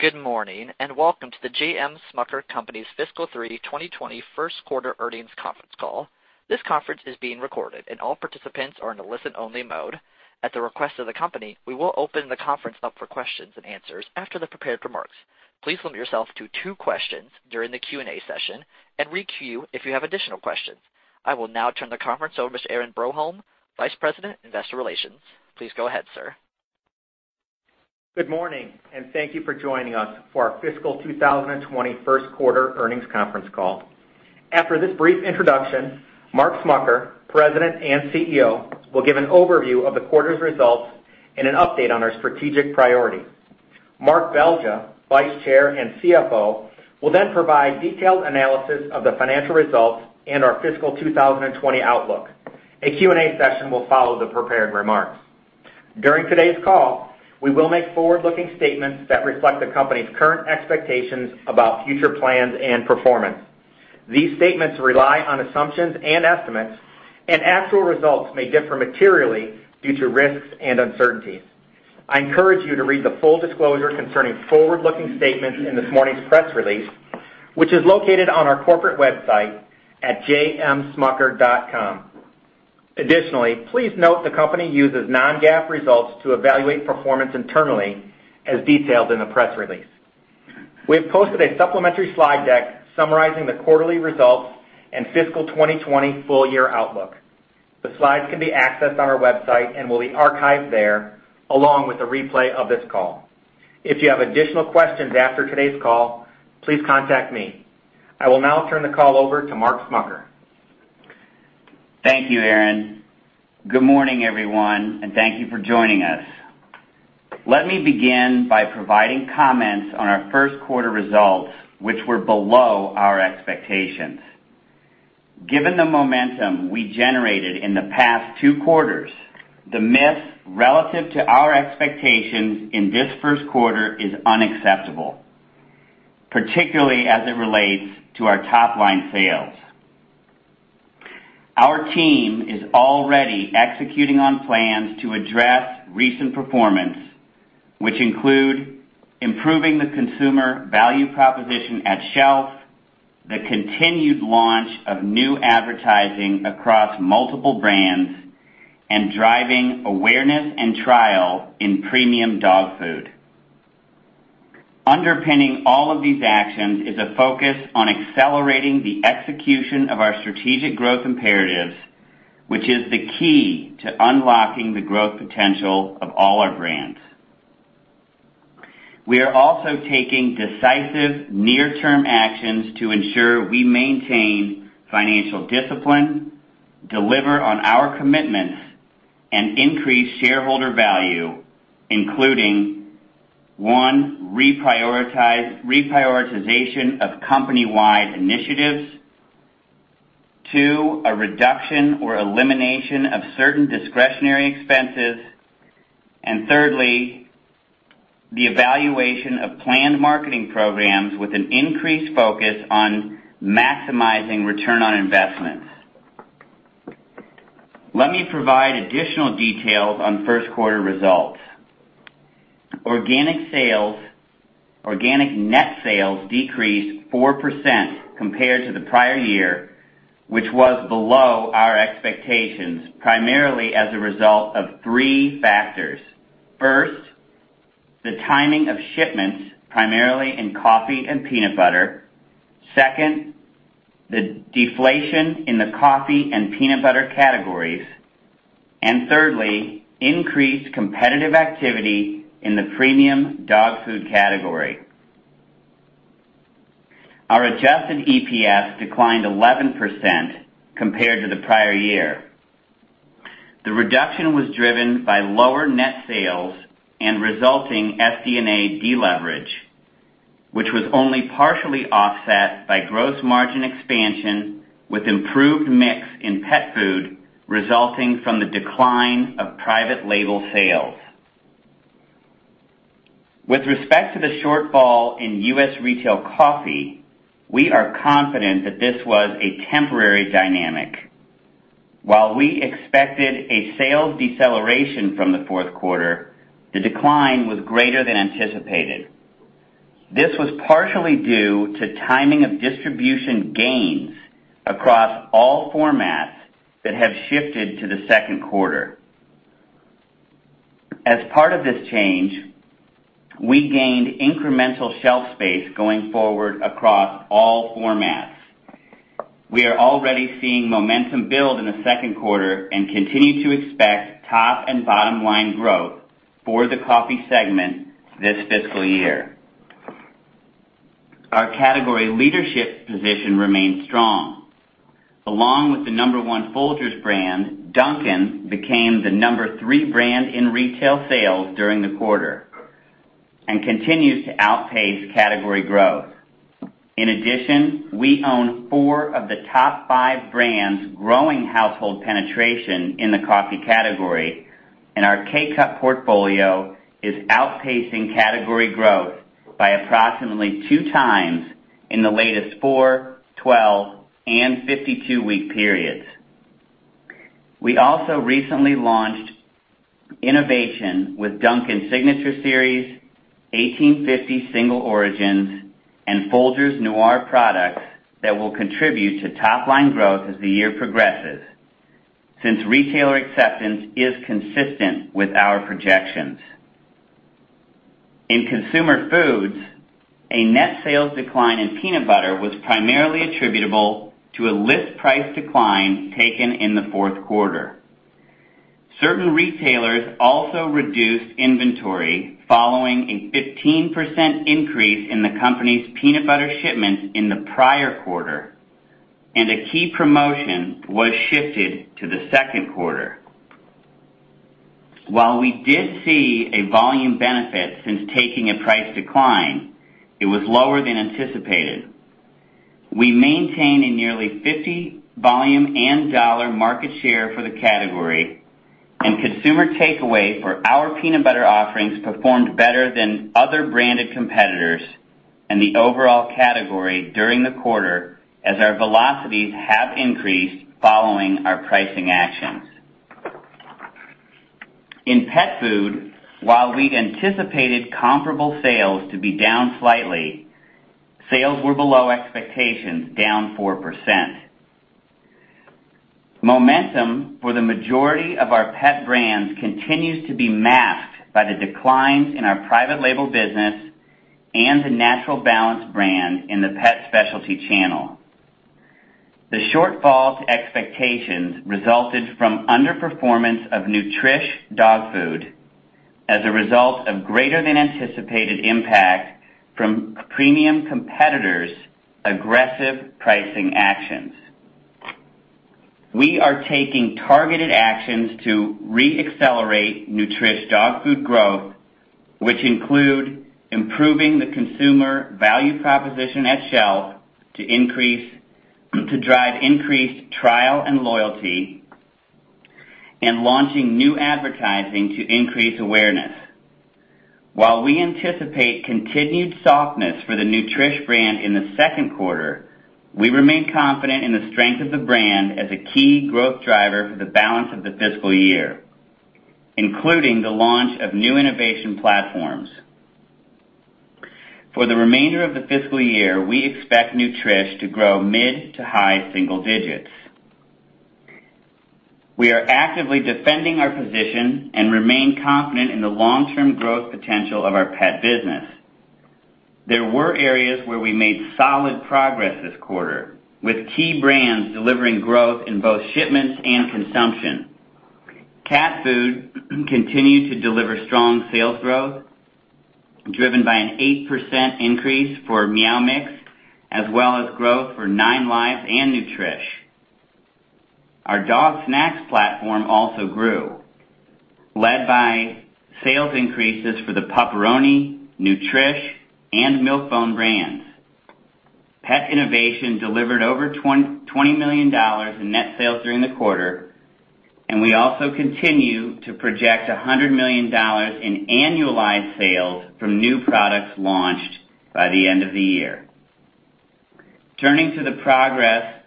Good morning and welcome to the J.M. Smucker Company's Fiscal Year 2020 First Quarter Earnings Conference Call. This conference is being recorded, and all participants are in a listen-only mode. At the request of the company, we will open the conference up for questions and answers after the prepared remarks. Please limit yourself to two questions during the Q&A session and re-queue if you have additional questions. I will now turn the conference over to Aaron Broholm, Vice President, Investor Relations. Please go ahead, sir. Good morning, and thank you for joining us for our fiscal 2020 First Quarter Earnings Conference Call. After this brief introduction, Mark Smucker, President and CEO, will give an overview of the quarter's results and an update on our strategic priority. Mark Belgya, Vice Chair and CFO, will then provide detailed analysis of the financial results and our fiscal 2020 outlook. A Q&A session will follow the prepared remarks. During today's call, we will make forward-looking statements that reflect the company's current expectations about future plans and performance. These statements rely on assumptions and estimates, and actual results may differ materially due to risks and uncertainties. I encourage you to read the full disclosure concerning forward-looking statements in this morning's press release, which is located on our corporate website at jmsmucker.com. Additionally, please note the company uses non-GAAP results to evaluate performance internally, as detailed in the press release. We have posted a supplementary slide deck summarizing the quarterly results and fiscal 2020 full-year outlook. The slides can be accessed on our website and will be archived there, along with a replay of this call. If you have additional questions after today's call, please contact me. I will now turn the call over to Mark Smucker. Thank you, Aaron. Good morning, everyone, and thank you for joining us. Let me begin by providing comments on our first quarter results, which were below our expectations. Given the momentum we generated in the past two quarters, the miss relative to our expectations in this first quarter is unacceptable, particularly as it relates to our top-line sales. Our team is already executing on plans to address recent performance, which include improving the consumer value proposition at shelf, the continued launch of new advertising across multiple brands, and driving awareness and trial in premium dog food. Underpinning all of these actions is a focus on accelerating the execution of our strategic growth imperatives, which is the key to unlocking the growth potential of all our brands. We are also taking decisive near-term actions to ensure we maintain financial discipline, deliver on our commitments, and increase shareholder value, including: one, reprioritization of company-wide initiatives, two, a reduction or elimination of certain discretionary expenses, and thirdly, the evaluation of planned marketing programs with an increased focus on maximizing return on investments. Let me provide additional details on first quarter results. Organic net sales decreased 4% compared to the prior year, which was below our expectations, primarily as a result of three factors. First, the timing of shipments, primarily in coffee and peanut butter, second, the deflation in the coffee and peanut butter categories, and thirdly, increased competitive activity in the premium dog food category. Our Adjusted EPS declined 11% compared to the prior year. The reduction was driven by lower net sales and resulting SD&A deleverage, which was only partially offset by gross margin expansion with improved mix in pet food resulting from the decline of private label sales. With respect to the shortfall in U.S. Retail Coffee, we are confident that this was a temporary dynamic. While we expected a sales deceleration from the fourth quarter, the decline was greater than anticipated. This was partially due to timing of distribution gains across all formats that have shifted to the second quarter. As part of this change, we gained incremental shelf space going forward across all formats. We are already seeing momentum build in the second quarter and continue to expect top and bottom-line growth for the coffee segment this fiscal year. Our category leadership position remained strong. Along with the number one Folgers brand, Dunkin' became the number three brand in retail sales during the quarter and continues to outpace category growth. In addition, we own four of the top five brands' growing household penetration in the coffee category, and our K-Cup portfolio is outpacing category growth by approximately two times in the latest 4, 12, and 52 week periods. We also recently launched innovation with Dunkin' Signature Series, 1850 Single Origins, and Folgers Noir products that will contribute to top-line growth as the year progresses, since retailer acceptance is consistent with our projections. In Consumer Foods, a net sales decline in peanut butter was primarily attributable to a list price decline taken in the fourth quarter. Certain retailers also reduced inventory following a 15% increase in the company's peanut butter shipments in the prior quarter, and a key promotion was shifted to the second quarter. While we did see a volume benefit since taking a price decline, it was lower than anticipated. We maintain a nearly 50 volume and dollar market share for the category, and consumer takeaway for our peanut butter offerings performed better than other branded competitors in the overall category during the quarter as our velocities have increased following our pricing actions. In pet food, while we anticipated comparable sales to be down slightly, sales were below expectations, down 4%. Momentum for the majority of our pet brands continues to be masked by the declines in our private label business and the Natural Balance brand in the pet specialty channel. The shortfall to expectations resulted from underperformance of Nutrish dog food as a result of greater than anticipated impact from premium competitors' aggressive pricing actions. We are taking targeted actions to re-accelerate Nutrish dog food growth, which include improving the consumer value proposition at shelf to drive increased trial and loyalty and launching new advertising to increase awareness. While we anticipate continued softness for the Nutrish brand in the second quarter, we remain confident in the strength of the brand as a key growth driver for the balance of the fiscal year, including the launch of new innovation platforms. For the remainder of the fiscal year, we expect Nutrish to grow mid to high single digits. We are actively defending our position and remain confident in the long-term growth potential of our pet business. There were areas where we made solid progress this quarter, with key brands delivering growth in both shipments and consumption. Cat food continued to deliver strong sales growth, driven by an 8% increase for Meow Mix, as well as growth for 9Lives and Nutrish. Our dog snacks platform also grew, led by sales increases for the Pup-Peroni, Nutrish, and Milk-Bone brands. Pet innovation delivered over $20 million in net sales during the quarter, and we also continue to project $100 million in annualized sales from new products launched by the end of the year. Turning to the progress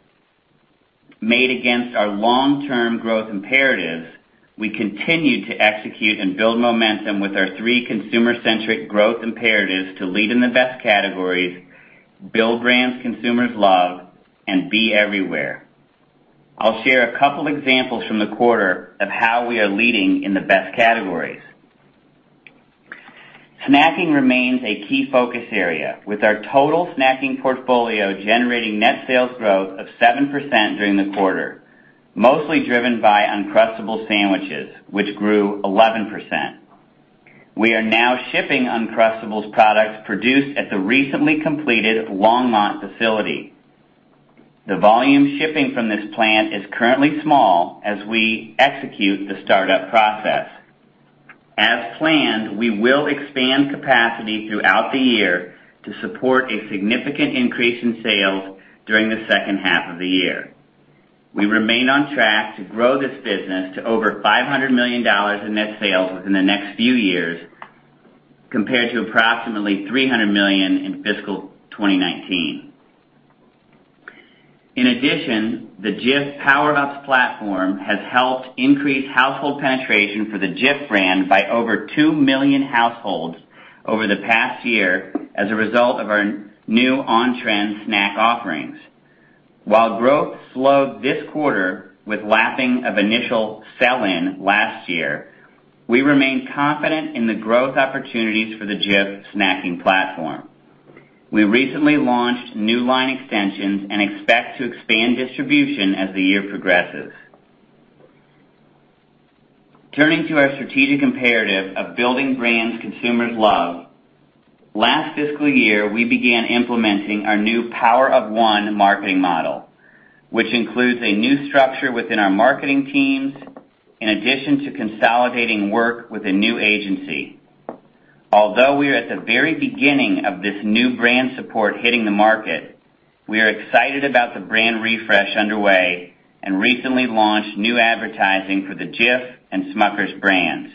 made against our long-term growth imperatives, we continued to execute and build momentum with our three consumer-centric growth imperatives to lead in the best categories, build brands consumers love, and be everywhere. I'll share a couple of examples from the quarter of how we are leading in the best categories. Snacking remains a key focus area, with our total snacking portfolio generating net sales growth of 7% during the quarter, mostly driven by Uncrustables sandwiches, which grew 11%. We are now shipping Uncrustables products produced at the recently completed Longmont facility. The volume shipping from this plant is currently small as we execute the startup process. As planned, we will expand capacity throughout the year to support a significant increase in sales during the second half of the year. We remain on track to grow this business to over $500 million in net sales within the next few years, compared to approximately $300 million in fiscal 2019. In addition, the Jif Power Ups platform has helped increase household penetration for the Jif brand by over 2 million households over the past year as a result of our new on-trend snack offerings. While growth slowed this quarter with lapping of initial sell-in last year, we remain confident in the growth opportunities for the J.M. Smucker snacking platform. We recently launched new line extensions and expect to expand distribution as the year progresses. Turning to our strategic imperative of building brands consumers love, last fiscal year we began implementing our new Power of One marketing model, which includes a new structure within our marketing teams, in addition to consolidating work with a new agency. Although we are at the very beginning of this new brand support hitting the market, we are excited about the brand refresh underway and recently launched new advertising for the Jif and Smucker brands.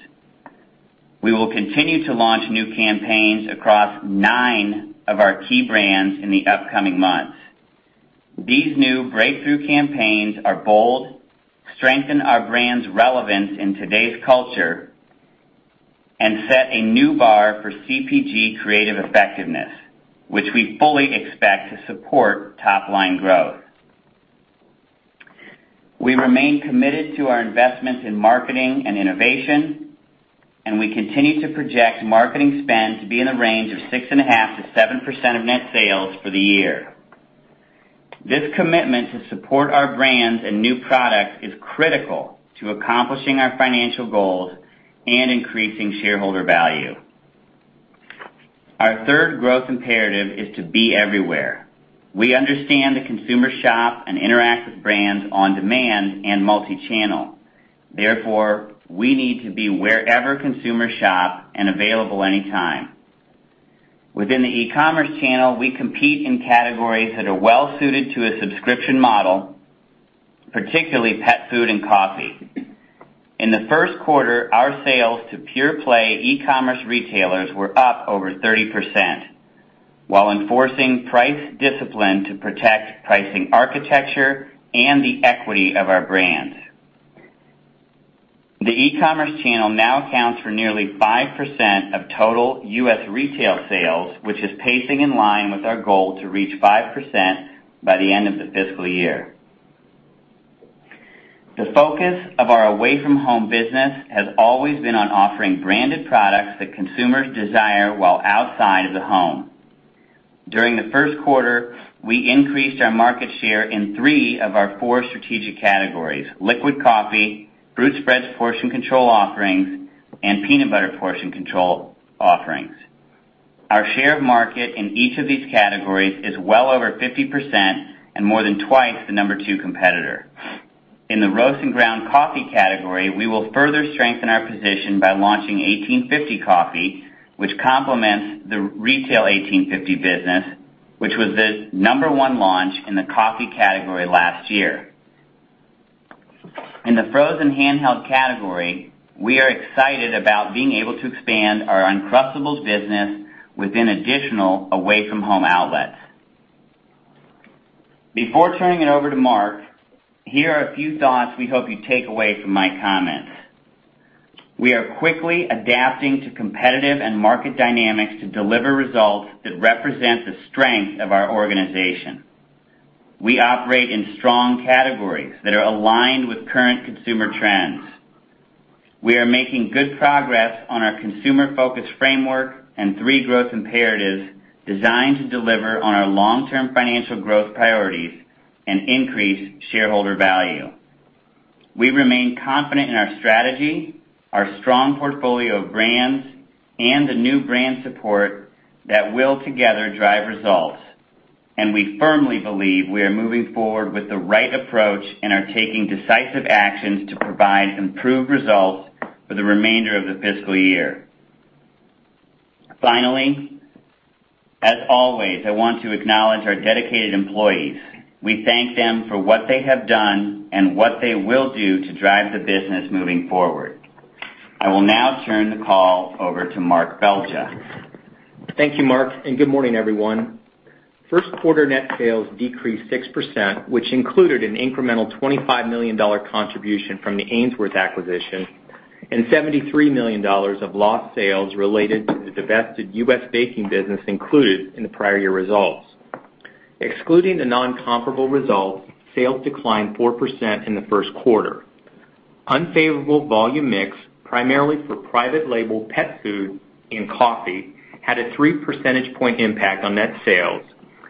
We will continue to launch new campaigns across nine of our key brands in the upcoming months. These new breakthrough campaigns are bold, strengthen our brand's relevance in today's culture, and set a new bar for CPG creative effectiveness, which we fully expect to support top-line growth. We remain committed to our investments in marketing and innovation, and we continue to project marketing spend to be in the range of 6.5% to 7% of net sales for the year. This commitment to support our brands and new products is critical to accomplishing our financial goals and increasing shareholder value. Our third growth imperative is to be everywhere. We understand that consumers shop and interact with brands on demand and multi-channel. Therefore, we need to be wherever consumers shop and available anytime. Within the e-commerce channel, we compete in categories that are well-suited to a subscription model, particularly pet food and coffee. In the first quarter, our sales to pure-play e-commerce retailers were up over 30%, while enforcing price discipline to protect pricing architecture and the equity of our brands. The e-commerce channel now accounts for nearly 5% of total U.S. retail sales, which is pacing in line with our goal to reach 5% by the end of the fiscal year. The focus of our away-from-home business has always been on offering branded products that consumers desire while outside of the home. During the first quarter, we increased our market share in three of our four strategic categories: liquid coffee, fruit spreads portion control offerings, and peanut butter portion control offerings. Our share of market in each of these categories is well over 50% and more than twice the number two competitor. In the roast and ground coffee category, we will further strengthen our position by launching 1850 coffee, which complements the retail 1850 business, which was the number one launch in the coffee category last year. In the frozen handheld category, we are excited about being able to expand our Uncrustables business within additional away-from-home outlets. Before turning it over to Mark, here are a few thoughts we hope you take away from my comments. We are quickly adapting to competitive and market dynamics to deliver results that represent the strength of our organization. We operate in strong categories that are aligned with current consumer trends. We are making good progress on our consumer-focused framework and three growth imperatives designed to deliver on our long-term financial growth priorities and increase shareholder value. We remain confident in our strategy, our strong portfolio of brands, and the new brand support that will together drive results, and we firmly believe we are moving forward with the right approach and are taking decisive actions to provide improved results for the remainder of the fiscal year. Finally, as always, I want to acknowledge our dedicated employees. We thank them for what they have done and what they will do to drive the business moving forward. I will now turn the call over to Mark Belgya. Thank you, Mark, and good morning, everyone. First quarter net sales decreased 6%, which included an incremental $25 million contribution from the Ainsworth acquisition, and $73 million of lost sales related to the divested U.S. Baking business included in the prior year results. Excluding the non-comparable results, sales declined 4% in the first quarter. Unfavorable volume mix, primarily for private label pet food and coffee, had a 3 percentage point impact on net sales,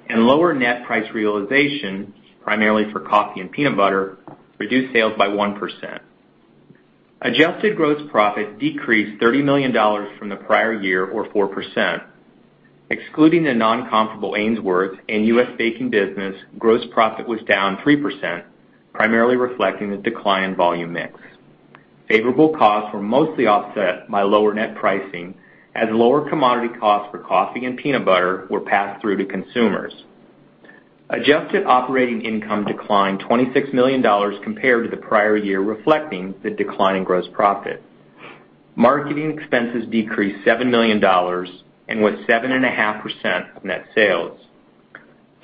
and lower net price realization, primarily for coffee and peanut butter, reduced sales by 1%. Adjusted gross profit decreased $30 million from the prior year, or 4%. Excluding the non-comparable Ainsworth and U.S. Baking business, gross profit was down 3%, primarily reflecting the decline in volume mix. Favorable costs were mostly offset by lower net pricing, as lower commodity costs for coffee and peanut butter were passed through to consumers. Adjusted operating income declined $26 million compared to the prior year, reflecting the decline in gross profit. Marketing expenses decreased $7 million and was 7.5% of net sales.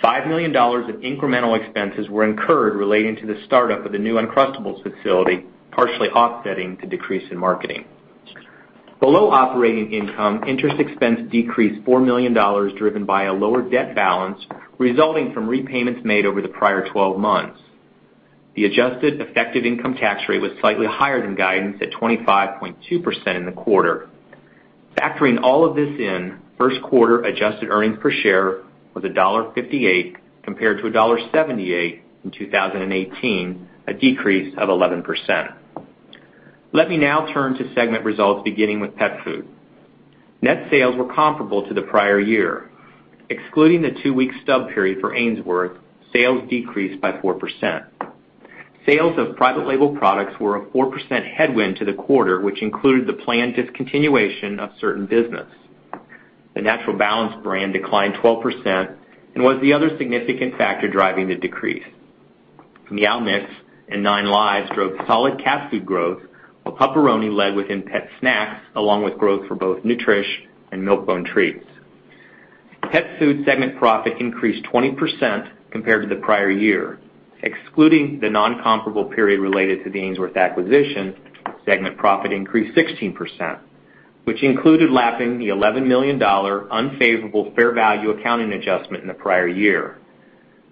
$5 million of incremental expenses were incurred relating to the startup of the new Uncrustables facility, partially offsetting the decrease in marketing. Below operating income, interest expense decreased $4 million, driven by a lower debt balance resulting from repayments made over the prior 12 months. The adjusted effective income tax rate was slightly higher than guidance at 25.2% in the quarter. Factoring all of this in, first quarter adjusted earnings per share was $1.58 compared to $1.78 in 2018, a decrease of 11%. Let me now turn to segment results, beginning with pet food. Net sales were comparable to the prior year. Excluding the two-week stub period for Ainsworth, sales decreased by 4%. Sales of private label products were a 4% headwind to the quarter, which included the planned discontinuation of certain business. The Natural Balance brand declined 12% and was the other significant factor driving the decrease. Meow Mix and 9Lives drove solid cat food growth, while Pup-Peroni led within pet snacks, along with growth for both Nutrish and Milk-Bone treats. Pet food segment profit increased 20% compared to the prior year. Excluding the non-comparable period related to the Ainsworth acquisition, segment profit increased 16%, which included lapping the $11 million unfavorable fair value accounting adjustment in the prior year.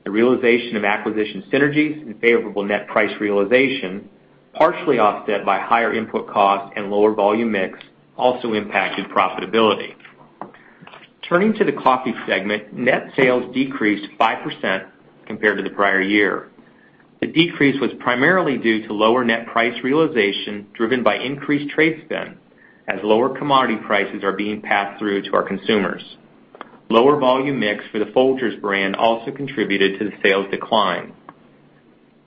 The realization of acquisition synergies and favorable net price realization, partially offset by higher input costs and lower volume mix, also impacted profitability. Turning to the coffee segment, net sales decreased 5% compared to the prior year. The decrease was primarily due to lower net price realization driven by increased trade spend, as lower commodity prices are being passed through to our consumers. Lower volume mix for the Folgers brand also contributed to the sales decline.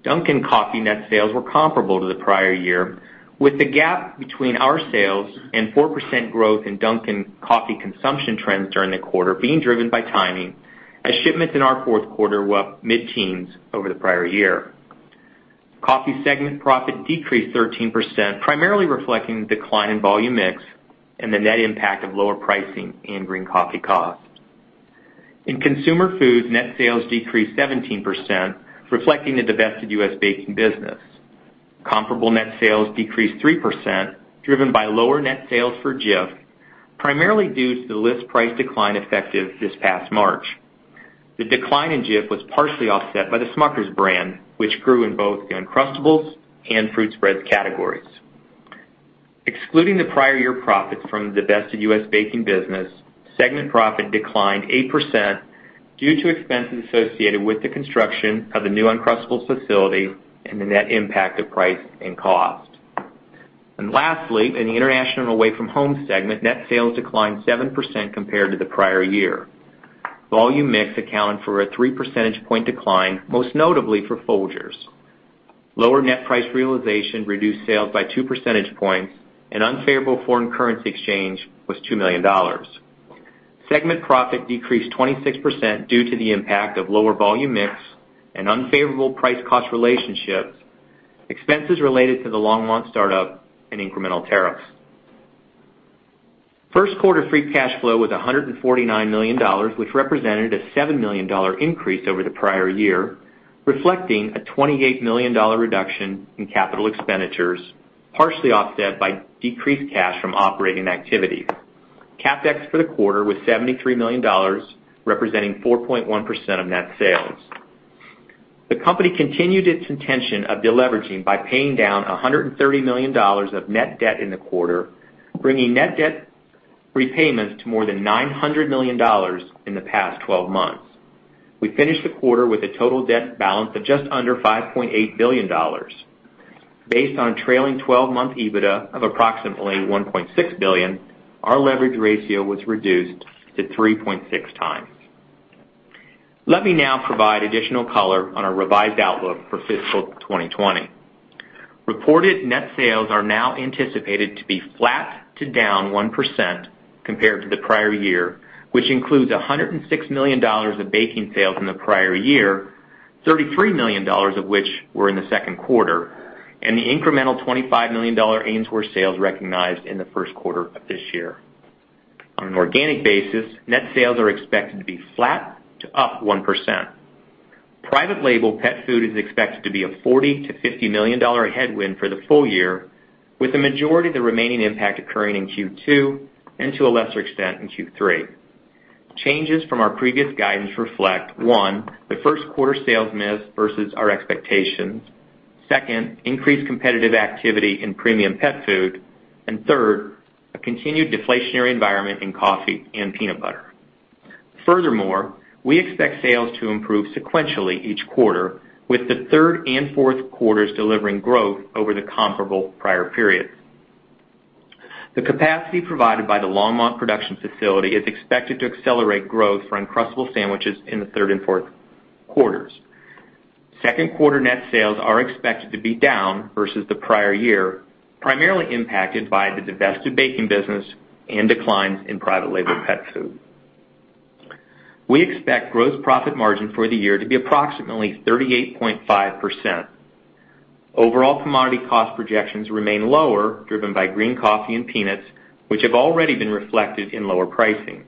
Dunkin' coffee net sales were comparable to the prior year, with the gap between our sales and 4% growth in Dunkin' coffee consumption trends during the quarter being driven by timing, as shipments in our fourth quarter were up mid-teens over the prior year. Coffee segment profit decreased 13%, primarily reflecting the decline in volume mix and the net impact of lower pricing and green coffee costs. In Consumer Foods, net sales decreased 17%, reflecting the divested U.S. baking business. Comparable net sales decreased 3%, driven by lower net sales for Jif, primarily due to the list price decline effective this past March. The decline in Jif was partially offset by the Smucker's brand, which grew in both the Uncrustables and fruit spreads categories. Excluding the prior year profits from the divested U.S. Baking business, segment profit declined 8% due to expenses associated with the construction of the new Uncrustables facility and the net impact of price and cost, and lastly, in the International Away-from-Home segment, net sales declined 7% compared to the prior year. Volume mix accounted for a 3 percentage point decline, most notably for Folgers. Lower net price realization reduced sales by 2 percentage points, and unfavorable foreign currency exchange was $2 million. Segment profit decreased 26% due to the impact of lower volume mix and unfavorable price-cost relationships, expenses related to the Longmont startup, and incremental tariffs. First quarter Free Cash Flow was $149 million, which represented a $7 million increase over the prior year, reflecting a $28 million reduction in capital expenditures, partially offset by decreased cash from operating activity. CapEx for the quarter was $73 million, representing 4.1% of net sales. The company continued its intention of deleveraging by paying down $130 million of net debt in the quarter, bringing net debt repayments to more than $900 million in the past 12 months. We finished the quarter with a total debt balance of just under $5.8 billion. Based on trailing 12-month EBITDA of approximately $1.6 billion, our leverage ratio was reduced to 3.6 times. Let me now provide additional color on our revised outlook for fiscal 2020. Reported net sales are now anticipated to be flat to down 1% compared to the prior year, which includes $106 million of baking sales in the prior year, $33 million of which were in the second quarter, and the incremental $25 million Ainsworth sales recognized in the first quarter of this year. On an organic basis, net sales are expected to be flat to up 1%. Private label pet food is expected to be a $40-$50 million headwind for the full year, with a majority of the remaining impact occurring in Q2 and to a lesser extent in Q3. Changes from our previous guidance reflect, one, the first quarter sales miss versus our expectations, second, increased competitive activity in premium pet food, and third, a continued deflationary environment in coffee and peanut butter. Furthermore, we expect sales to improve sequentially each quarter, with the third and fourth quarters delivering growth over the comparable prior periods. The capacity provided by the Longmont production facility is expected to accelerate growth for Uncrustables sandwiches in the third and fourth quarters. Second quarter net sales are expected to be down versus the prior year, primarily impacted by the divested baking business and declines in private label pet food. We expect gross profit margin for the year to be approximately 38.5%. Overall commodity cost projections remain lower, driven by green coffee and peanuts, which have already been reflected in lower pricing.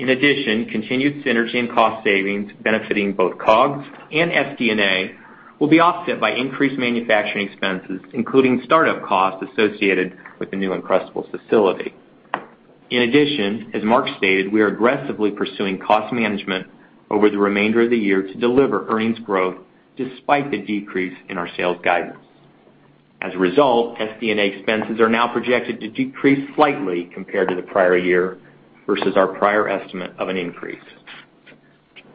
In addition, continued synergy and cost savings benefiting both COGS and SD&A will be offset by increased manufacturing expenses, including startup costs associated with the new Uncrustables facility. In addition, as Mark stated, we are aggressively pursuing cost management over the remainder of the year to deliver earnings growth despite the decrease in our sales guidance. As a result, SD&A expenses are now projected to decrease slightly compared to the prior year versus our prior estimate of an increase.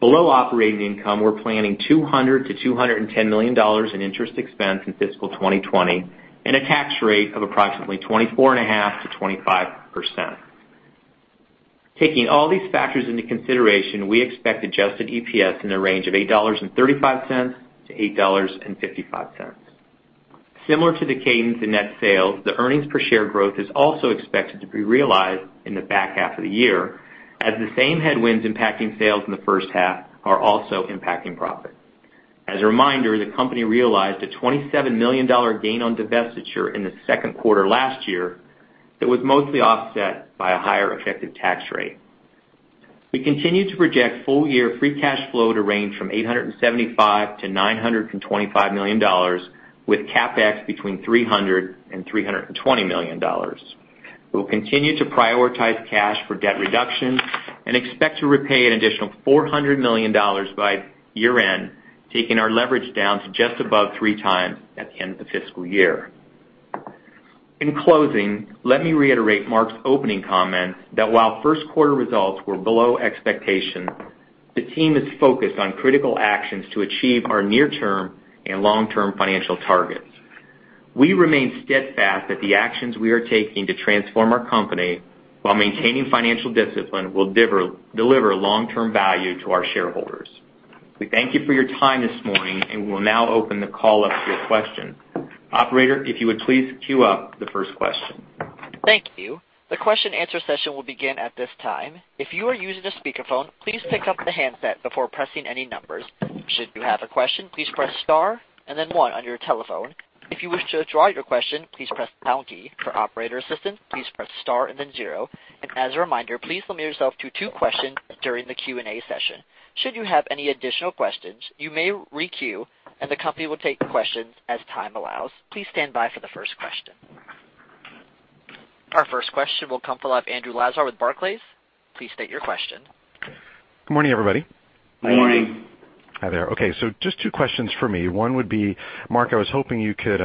Below operating income, we're planning $200 to $210 million in interest expense in fiscal 2020 and a tax rate of approximately 24.5% to 25%. Taking all these factors into consideration, we expect Adjusted EPS in the range of $8.35 to $8.55. Similar to the cadence in net sales, the earnings per share growth is also expected to be realized in the back half of the year, as the same headwinds impacting sales in the first half are also impacting profit. As a reminder, the company realized a $27 million gain on divestiture in the second quarter last year that was mostly offset by a higher effective tax rate. We continue to project full-year Free Cash Flow to range from $875 to $925 million, with CapEx between $300 to $320 million. We'll continue to prioritize cash for debt reduction and expect to repay an additional $400 million by year-end, taking our leverage down to just above three times at the end of the fiscal year. In closing, let me reiterate Mark's opening comments that while first quarter results were below expectations, the team is focused on critical actions to achieve our near-term and long-term financial targets. We remain steadfast that the actions we are taking to transform our company while maintaining financial discipline will deliver long-term value to our shareholders. We thank you for your time this morning, and we will now open the call up to your questions. Operator, if you would please queue up the first question. Thank you. The question-answer session will begin at this time. If you are using a speakerphone, please pick up the handset before pressing any numbers. Should you have a question, please press star and then one on your telephone. If you wish to withdraw your question, please press pound key. For operator assistance, please press star and then zero. And as a reminder, please limit yourself to two questions during the Q&A session. Should you have any additional questions, you may re-queue, and the company will take questions as time allows. Please stand by for the first question. Our first question will come from Andrew Lazar with Barclays. Please state your question. Good morning, everybody. Good morning. Hi there. Okay, so just two questions for me. One would be, Mark, I was hoping you could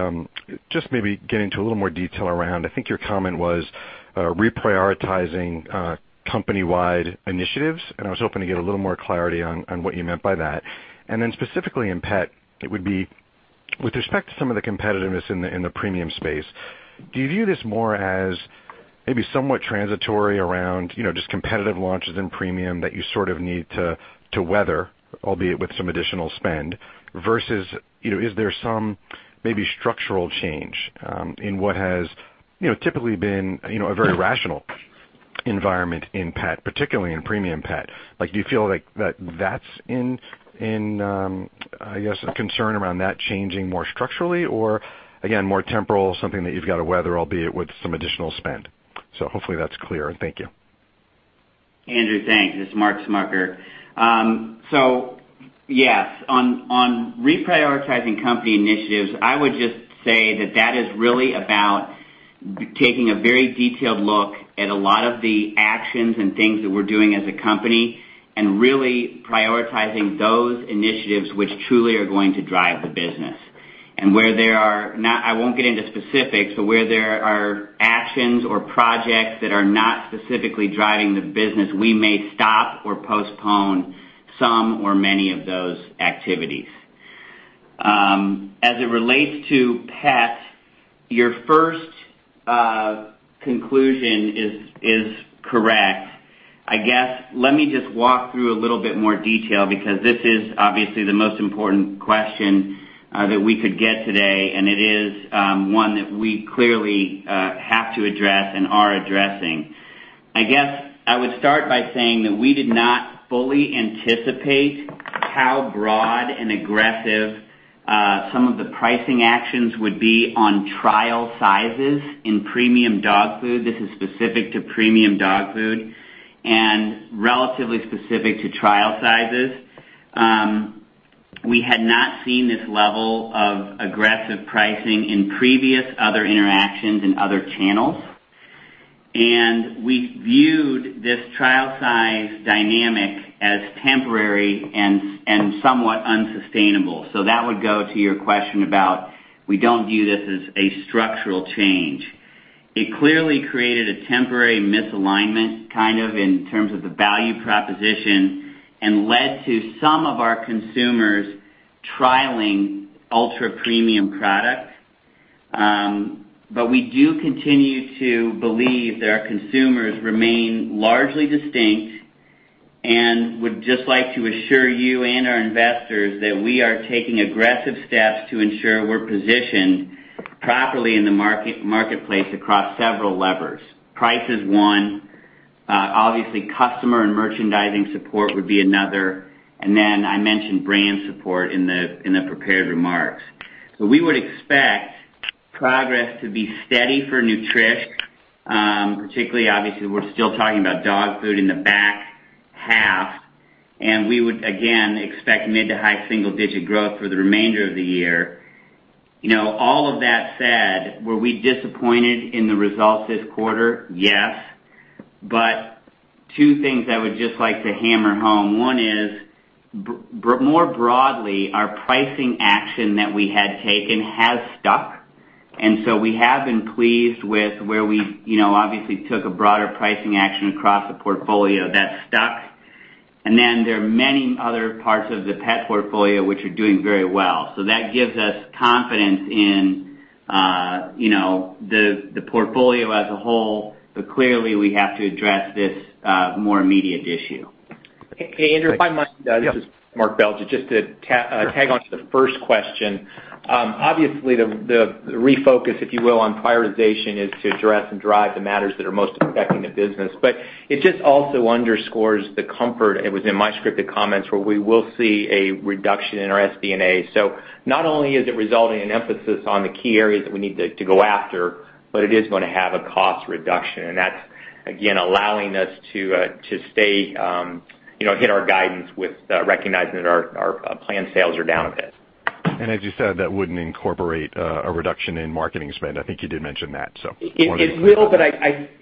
just maybe get into a little more detail around, I think your comment was reprioritizing company-wide initiatives, and I was hoping to get a little more clarity on what you meant by that. And then specifically in pet, it would be with respect to some of the competitiveness in the premium space, do you view this more as maybe somewhat transitory around just competitive launches in premium that you sort of need to weather, albeit with some additional spend, versus is there some maybe structural change in what has typically been a very rational environment in pet, particularly in premium pet? Do you feel like that's in, I guess, a concern around that changing more structurally, or again, more temporal, something that you've got to weather, albeit with some additional spend? So hopefully that's clear, and thank you. Andrew, thanks. This is Mark Smucker. So yes, on reprioritizing company initiatives, I would just say that that is really about taking a very detailed look at a lot of the actions and things that we're doing as a company and really prioritizing those initiatives which truly are going to drive the business. And where there are not, I won't get into specifics, but where there are actions or projects that are not specifically driving the business, we may stop or postpone some or many of those activities. As it relates to pet, your first conclusion is correct. I guess let me just walk through a little bit more detail because this is obviously the most important question that we could get today, and it is one that we clearly have to address and are addressing. I guess I would start by saying that we did not fully anticipate how broad and aggressive some of the pricing actions would be on trial sizes in premium dog food. This is specific to premium dog food and relatively specific to trial sizes. We had not seen this level of aggressive pricing in previous other interactions and other channels, and we viewed this trial size dynamic as temporary and somewhat unsustainable. So that would go to your question about we don't view this as a structural change. It clearly created a temporary misalignment kind of in terms of the value proposition and led to some of our consumers trialing ultra-premium products. But we do continue to believe that our consumers remain largely distinct and would just like to assure you and our investors that we are taking aggressive steps to ensure we're positioned properly in the marketplace across several levers. Price is one. Obviously, customer and merchandising support would be another. And then I mentioned brand support in the prepared remarks. So we would expect progress to be steady for Nutrish, particularly obviously we're still talking about dog food in the back half, and we would again expect mid to high single-digit growth for the remainder of the year. All of that said, were we disappointed in the results this quarter? Yes. But two things I would just like to hammer home. One is, more broadly, our pricing action that we had taken has stuck. And so we have been pleased with where we obviously took a broader pricing action across the portfolio. That's stuck. And then there are many other parts of the pet portfolio which are doing very well. So that gives us confidence in the portfolio as a whole, but clearly we have to address this more immediate issue. Hey, Andrew, if I might, Mark Belgya, just to tag on to the first question. Obviously, the refocus, if you will, on prioritization is to address and drive the matters that are most affecting the business, but it just also underscores the comfort. It was in my scripted comments where we will see a reduction in our SD&A. So not only is it resulting in emphasis on the key areas that we need to go after, but it is going to have a cost reduction, and that's again allowing us to still hit our guidance with recognizing that our planned sales are down a bit. And as you said, that wouldn't incorporate a reduction in marketing spend. I think you did mention that, so it will, but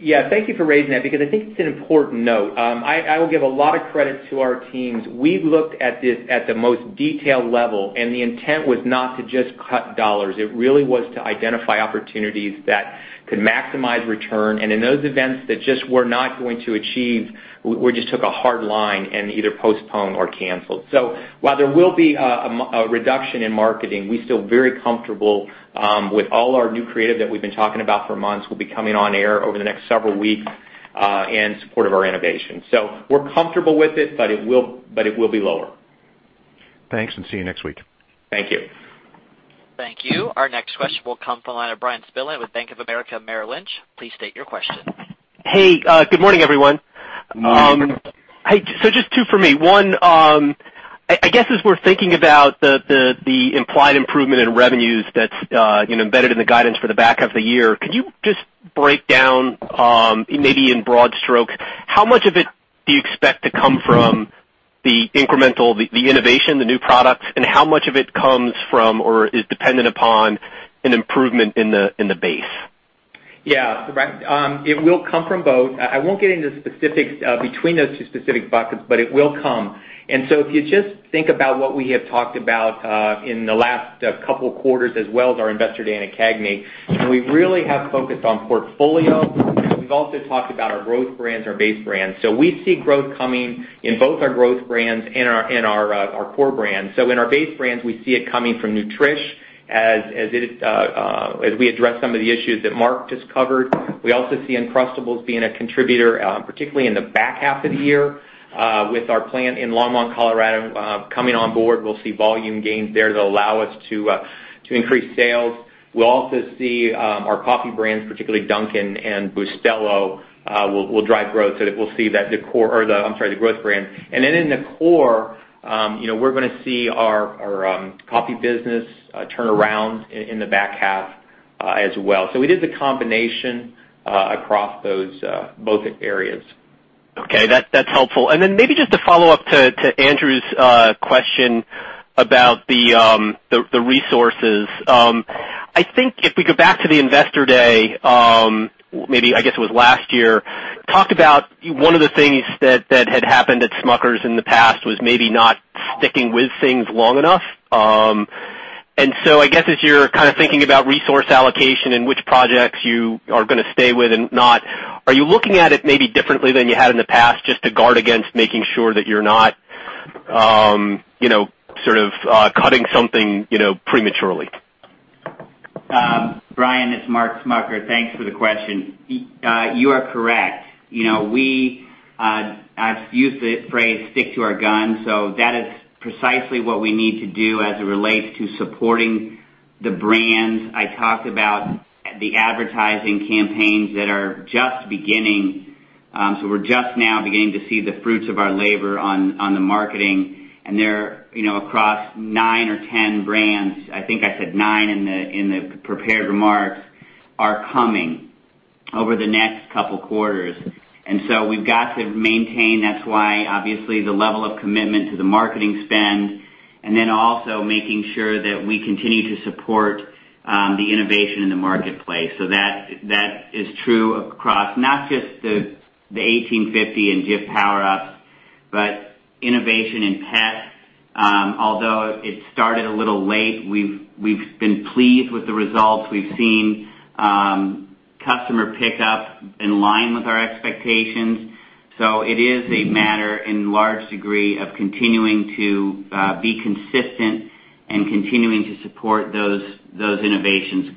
yeah, thank you for raising that because I think it's an important note. I will give a lot of credit to our teams. We looked at this at the most detailed level, and the intent was not to just cut dollars. It really was to identify opportunities that could maximize return, and in those events that just were not going to achieve, we just took a hard line and either postponed or canceled. So while there will be a reduction in marketing, we're still very comfortable with all our new creative that we've been talking about for months will be coming on air over the next several weeks in support of our innovation. So we're comfortable with it, but it will be lower. Thanks, and see you next week. Thank you. Thank you. Our next question will come from the line of Bryan Spillane with Bank of America Merrill Lynch. Please state your question. Hey, good morning, everyone. Good morning. Hey, so just two for me. One, I guess as we're thinking about the implied improvement in revenues that's embedded in the guidance for the back half of the year, could you just break down maybe in broad strokes how much of it do you expect to come from the incremental, the innovation, the new products, and how much of it comes from or is dependent upon an improvement in the base? Yeah, it will come from both. I won't get into specifics between those two specific buckets, but it will come, and so if you just think about what we have talked about in the last couple of quarters as well as our investor day in CAGNY, we really have focused on portfolio. We've also talked about our growth brands, our base brands, so we see growth coming in both our growth brands and our core brands. So in our base brands, we see it coming from Nutrish as we address some of the issues that Mark just covered. We also see Uncrustables being a contributor, particularly in the back half of the year with our plant in Longmont, Colorado coming on board. We'll see volume gains there that'll allow us to increase sales. We'll also see our coffee brands, particularly Dunkin' and Café Bustelo, will drive growth, so that we'll see that the core or the, I'm sorry, the growth brands. And then in the core, we're going to see our coffee business turnaround in the back half as well. So we did the combination across both areas. Okay, that's helpful. And then maybe just to follow up to Andrew's question about the resources, I think if we go back to the investor day, maybe I guess it was last year, talked about one of the things that had happened at Smucker's in the past was maybe not sticking with things long enough. And so I guess as you're kind of thinking about resource allocation and which projects you are going to stay with and not, are you looking at it maybe differently than you had in the past just to guard against making sure that you're not sort of cutting something prematurely? Thanks for the question. You are correct. I've used the phrase stick to our guns, so that is precisely what we need to do as it relates to supporting the brands. I talked about the advertising campaigns that are just beginning. So we're just now beginning to see the fruits of our labor on the marketing, and they're across nine or 10 brands. I think I said nine in the prepared remarks are coming over the next couple of quarters. And so we've got to maintain. That's why obviously the level of commitment to the marketing spend, and then also making sure that we continue to support the innovation in the marketplace. So that is true across not just the 1850 and Jif Power Ups, but innovation in pet. Although it started a little late, we've been pleased with the results. We've seen customer pickup in line with our expectations. So it is a matter in large degree of continuing to be consistent and continuing to support those innovations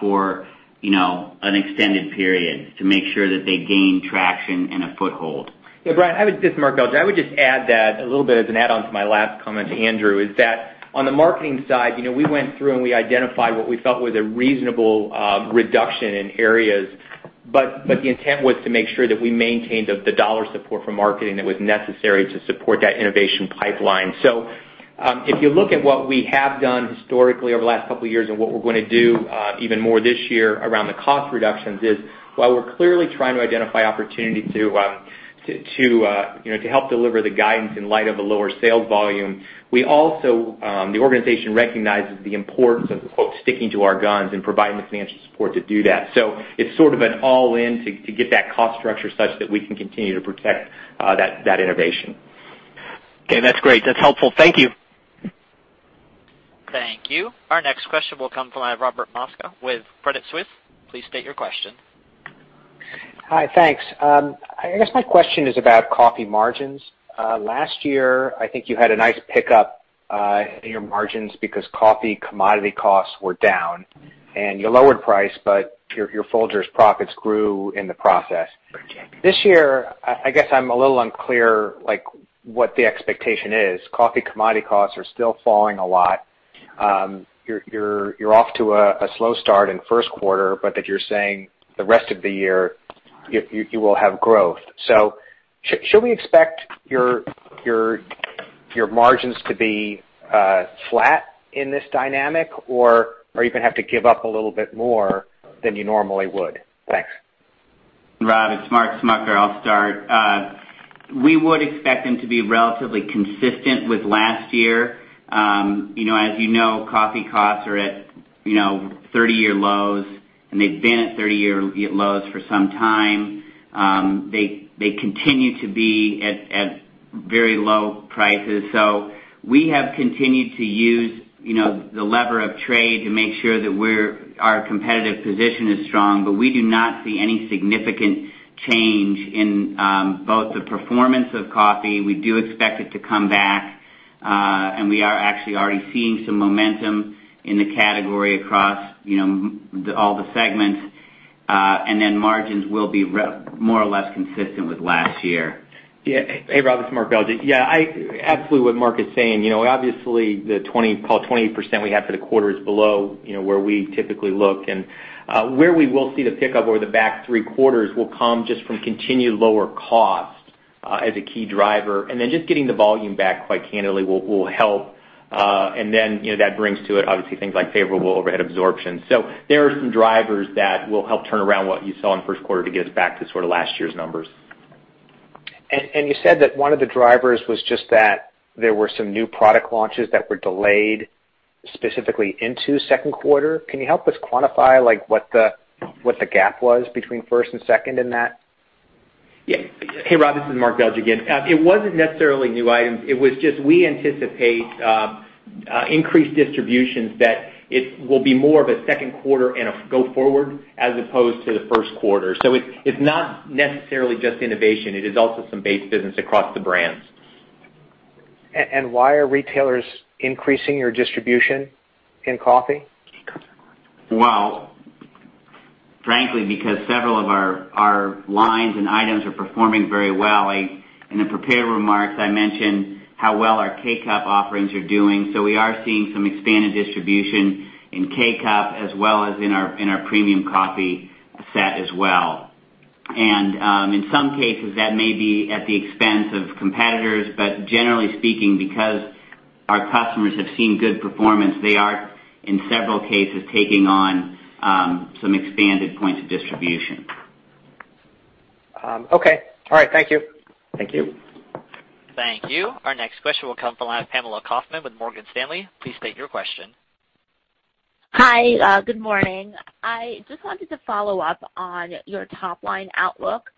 for an extended period to make sure that they gain traction and a foothold. Yeah, Bryan, this is Mark Belgya. I would just add that a little bit as an add-on to my last comment to Andrew is that on the marketing side, we went through and we identified what we felt was a reasonable reduction in areas, but the intent was to make sure that we maintained the dollar support for marketing that was necessary to support that innovation pipeline, so if you look at what we have done historically over the last couple of years and what we're going to do even more this year around the cost reductions is while we're clearly trying to identify opportunity to help deliver the guidance in light of a lower sales volume, we also, the organization recognizes the importance of "sticking to our guns" and providing the financial support to do that. So it's sort of an all-in to get that cost structure such that we can continue to protect that innovation. Okay, that's great. That's helpful. Thank you. Thank you. Our next question will come from Robert Moskow with Credit Suisse. Please state your question. Hi, thanks. I guess my question is about coffee margins. Last year, I think you had a nice pickup in your margins because coffee commodity costs were down, and you lowered price, but your Folgers profits grew in the process. This year, I guess I'm a little unclear what the expectation is. Coffee commodity costs are still falling a lot. You're off to a slow start in first quarter, but that you're saying the rest of the year you will have growth. So should we expect your margins to be flat in this dynamic, or are you going to have to give up a little bit more than you normally would? Thanks. Rob, it's Mark Smucker. I'll start. We would expect them to be relatively consistent with last year. As you know, coffee costs are at 30-year lows, and they've been at 30-year lows for some time. They continue to be at very low prices. So we have continued to use the lever of trade to make sure that our competitive position is strong, but we do not see any significant change in both the performance of coffee. We do expect it to come back, and we are actually already seeing some momentum in the category across all the segments, and then margins will be more or less consistent with last year. Yeah, hey Rob, this is Mark Belgya. Yeah, I absolutely what Mark is saying. Obviously, the call 20% we have for the quarter is below where we typically look, and where we will see the pickup over the back three quarters will come just from continued lower cost as a key driver. And then just getting the volume back, quite candidly, will help. And then that brings to it, obviously, things like favorable overhead absorption. So there are some drivers that will help turn around what you saw in the first quarter to get us back to sort of last year's numbers. And you said that one of the drivers was just that there were some new product launches that were delayed specifically into second quarter. Can you help us quantify what the gap was between first and second in that? Yeah. Hey Rob, this is Mark Belgya again. It wasn't necessarily new items. It was just, we anticipate increased distributions that it will be more of a second quarter and going forward as opposed to the first quarter. So it's not necessarily just innovation. It is also some base business across the brands. And why are retailers increasing your distribution in coffee? Well, frankly, because several of our lines and items are performing very well. In the prepared remarks, I mentioned how well our K-Cup offerings are doing. So we are seeing some expanded distribution in K-Cup as well as in our premium coffee segment as well. And in some cases, that may be at the expense of competitors, but generally speaking, because our customers have seen good performance, they are in several cases taking on some expanded points of distribution. Okay. All right. Thank you. Thank you. Thank you. Our next question will come from the line of Pamela Kaufman with Morgan Stanley. Please state your question. Hi, good morning. I just wanted to follow up on your top-line outlook.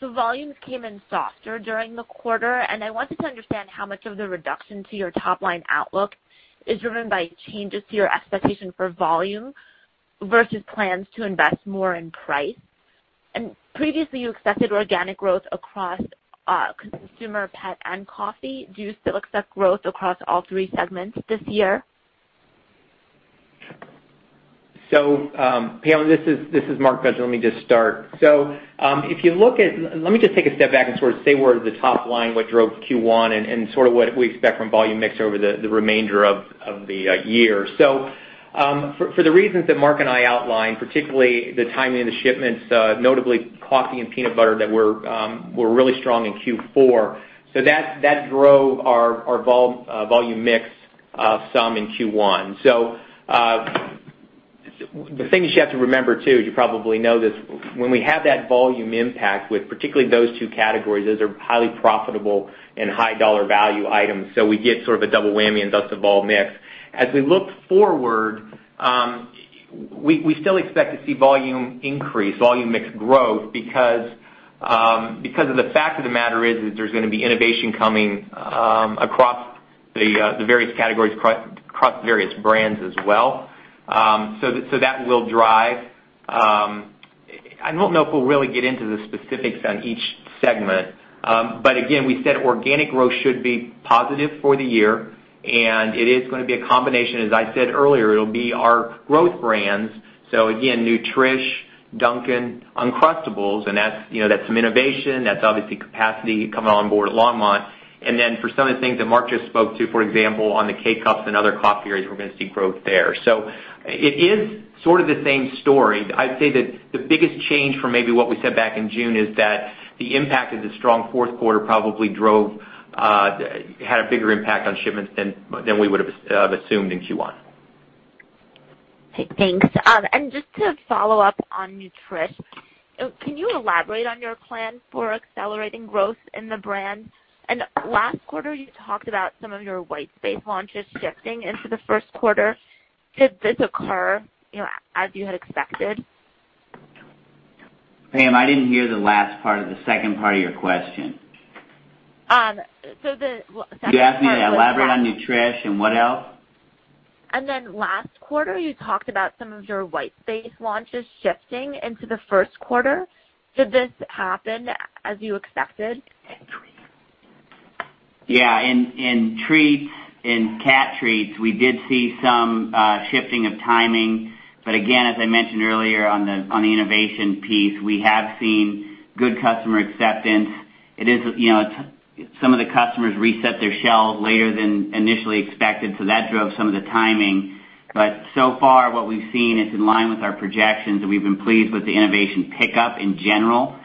The volumes came in softer during the quarter, and I wanted to understand how much of the reduction to your top-line outlook is driven by changes to your expectation for volume versus plans to invest more in price. And previously, you accepted organic growth across consumer, pet, and coffee. Do you still accept growth across all three segments this year? So Pamela, this is Mark Belgya. Let me just start. So if you look at it, let me just take a step back and sort of say where the top line, what drove Q1, and sort of what we expect from volume mix over the remainder of the year. So for the reasons that Mark and I outlined, particularly the timing of the shipments, notably coffee and peanut butter that were really strong in Q4, so that drove our volume mix some in Q1. So the thing you should have to remember too, you probably know this, when we have that volume impact with particularly those two categories, those are highly profitable and high dollar value items. So we get sort of a double whammy and does the vol mix. As we look forward, we still expect to see volume increase, volume mix growth because of the fact of the matter is that there's going to be innovation coming across the various categories, across the various brands as well. So that will drive. I don't know if we'll really get into the specifics on each segment, but again, we said organic growth should be positive for the year, and it is going to be a combination. As I said earlier, it'll be our growth brands. So again, Nutrish, Dunkin', Uncrustables, and that's some innovation. That's obviously capacity coming on board at Longmont. And then for some of the things that Mark just spoke to, for example, on the K-Cups and other coffee areas, we're going to see growth there. So it is sort of the same story. I'd say that the biggest change from maybe what we said back in June is that the impact of the strong fourth quarter probably had a bigger impact on shipments than we would have assumed in Q1. Thanks. And just to follow up on Nutrish, can you elaborate on your plan for accelerating growth in the brand? And last quarter, you talked about some of your white space launches shifting into the first quarter. Did this occur as you had expected? Ma'am, I didn't hear the last part of the second part of your question. So the second part of the question. You asked me to elaborate on Nutrish and what else? And then last quarter, you talked about some of your white space launches shifting into the first quarter. Did this happen as you expected? Yeah. In treats and cat treats, we did see some shifting of timing. But again, as I mentioned earlier on the innovation piece, we have seen good customer acceptance. It is some of the customers reset their shelves later than initially expected, so that drove some of the timing. But so far, what we've seen is in line with our projections, and we've been pleased with the innovation pickup in general.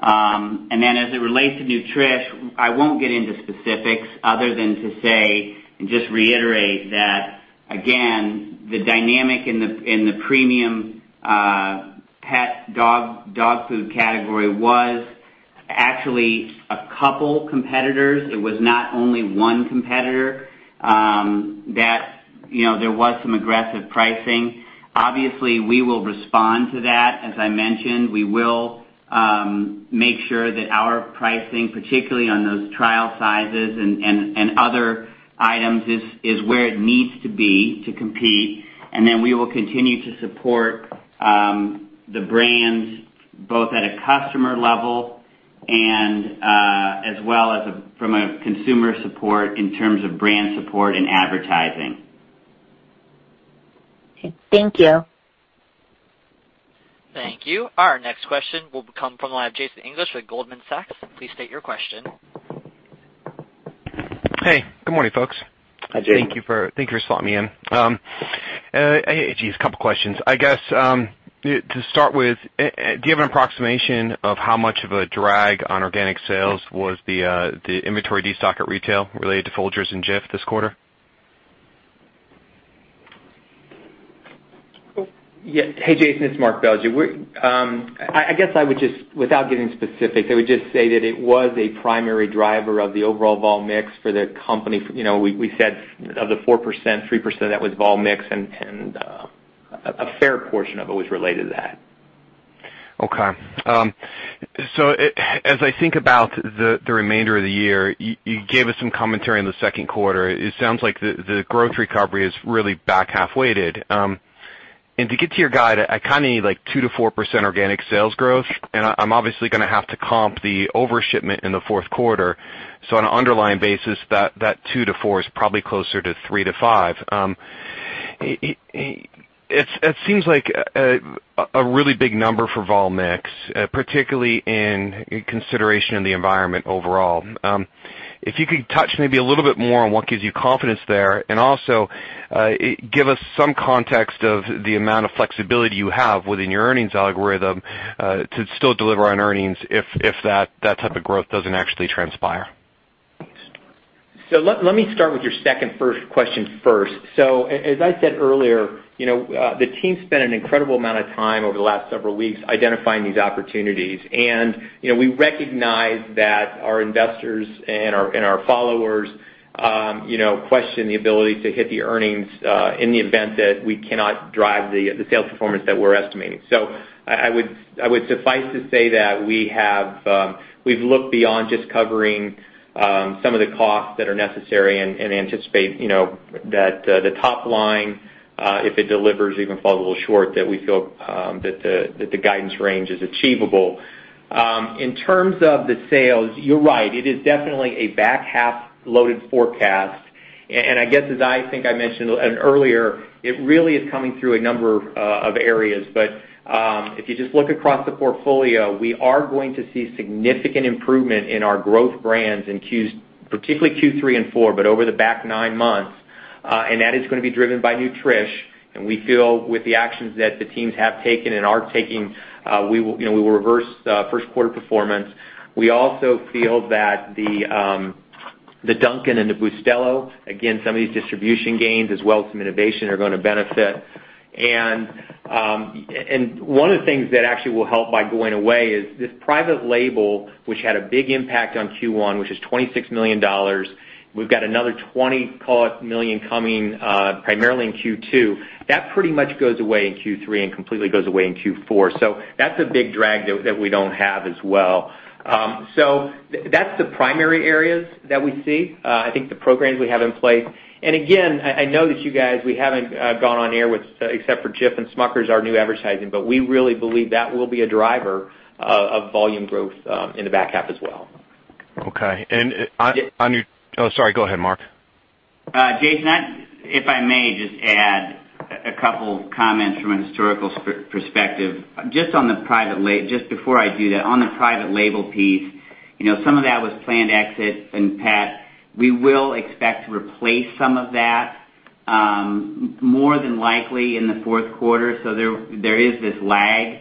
And then as it relates to Nutrish, I won't get into specifics other than to say and just reiterate that, again, the dynamic in the premium pet dog food category was actually a couple of competitors. It was not only one competitor. There was some aggressive pricing. Obviously, we will respond to that. As I mentioned, we will make sure that our pricing, particularly on those trial sizes and other items, is where it needs to be to compete. And then we will continue to support the brands both at a customer level and as well as from a consumer support in terms of brand support and advertising. Thank you. Thank you. Our next question will come from the line of Jason English with Goldman Sachs. Please state your question. Hey, good morning, folks. Hi, Jason. Thank you for slotting me in. Jeez, a couple of questions. I guess to start with, do you have an approximation of how much of a drag on organic sales was the inventory de-stock at retail related to Folgers and Jif this quarter? Yeah. Hey, Jason, it's Mark Belgya. I guess I would just, without getting specific, I would just say that it was a primary driver of the overall vol mix for the company. We said of the 4%, 3% of that was vol mix, and a fair portion of it was related to that. Okay. So as I think about the remainder of the year, you gave us some commentary on the second quarter. It sounds like the growth recovery is really back half-weighted. And to get to your guide, I kind of need like 2%-4% organic sales growth, and I'm obviously going to have to comp the overshipment in the fourth quarter. So on an underlying basis, that 2%-4% is probably closer to 3%-5%. It seems like a really big number for vol mix, particularly in consideration of the environment overall. If you could touch maybe a little bit more on what gives you confidence there and also give us some context of the amount of flexibility you have within your earnings algorithm to still deliver on earnings if that type of growth doesn't actually transpire? So let me start with your second first question first. So as I said earlier, the team spent an incredible amount of time over the last several weeks identifying these opportunities. And we recognize that our investors and our followers question the ability to hit the earnings in the event that we cannot drive the sales performance that we're estimating. So I would suffice to say that we've looked beyond just covering some of the costs that are necessary and anticipate that the top line, if it delivers, even falls a little short, that we feel that the guidance range is achievable. In terms of the sales, you're right. It is definitely a back-half-loaded forecast. And I guess, as I think I mentioned earlier, it really is coming through a number of areas. But if you just look across the portfolio, we are going to see significant improvement in our growth brands in Qs, particularly Q3 and Q4, but over the back nine months. And that is going to be driven by Nutrish. And we feel with the actions that the teams have taken and are taking, we will reverse first quarter performance. We also feel that the Dunkin' and the Café Bustelo, again, some of these distribution gains as well as some innovation are going to benefit. And one of the things that actually will help by going away is this private label, which had a big impact on Q1, which is $26 million. We've got another $20 million coming primarily in Q2. That pretty much goes away in Q3 and completely goes away in Q4. So that's a big drag that we don't have as well. So that's the primary areas that we see, I think the programs we have in place. And again, I know that you guys, we haven't gone on air except for Jif and Smucker's, our new advertising, but we really believe that will be a driver of volume growth in the back half as well. Okay. And on your - oh, sorry, go ahead, Mark. Jason, if I may just add a couple of comments from a historical perspective. Just on the private - just before I do that, on the private label piece, some of that was planned exit and pet. We will expect to replace some of that more than likely in the fourth quarter. So there is this lag.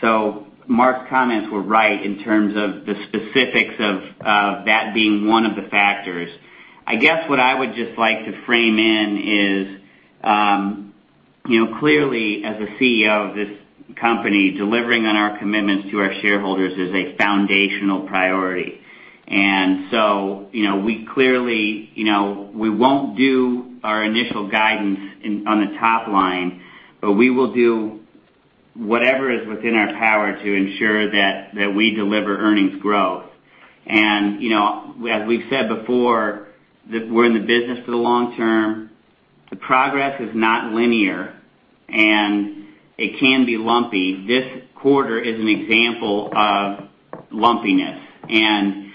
So Mark's comments were right in terms of the specifics of that being one of the factors. I guess what I would just like to frame in is clearly, as the CEO of this company, delivering on our commitments to our shareholders is a foundational priority. And so we clearly, we won't do our initial guidance on the top line, but we will do whatever is within our power to ensure that we deliver earnings growth. And as we've said before, we're in the business for the long term. The progress is not linear, and it can be lumpy. This quarter is an example of lumpiness. And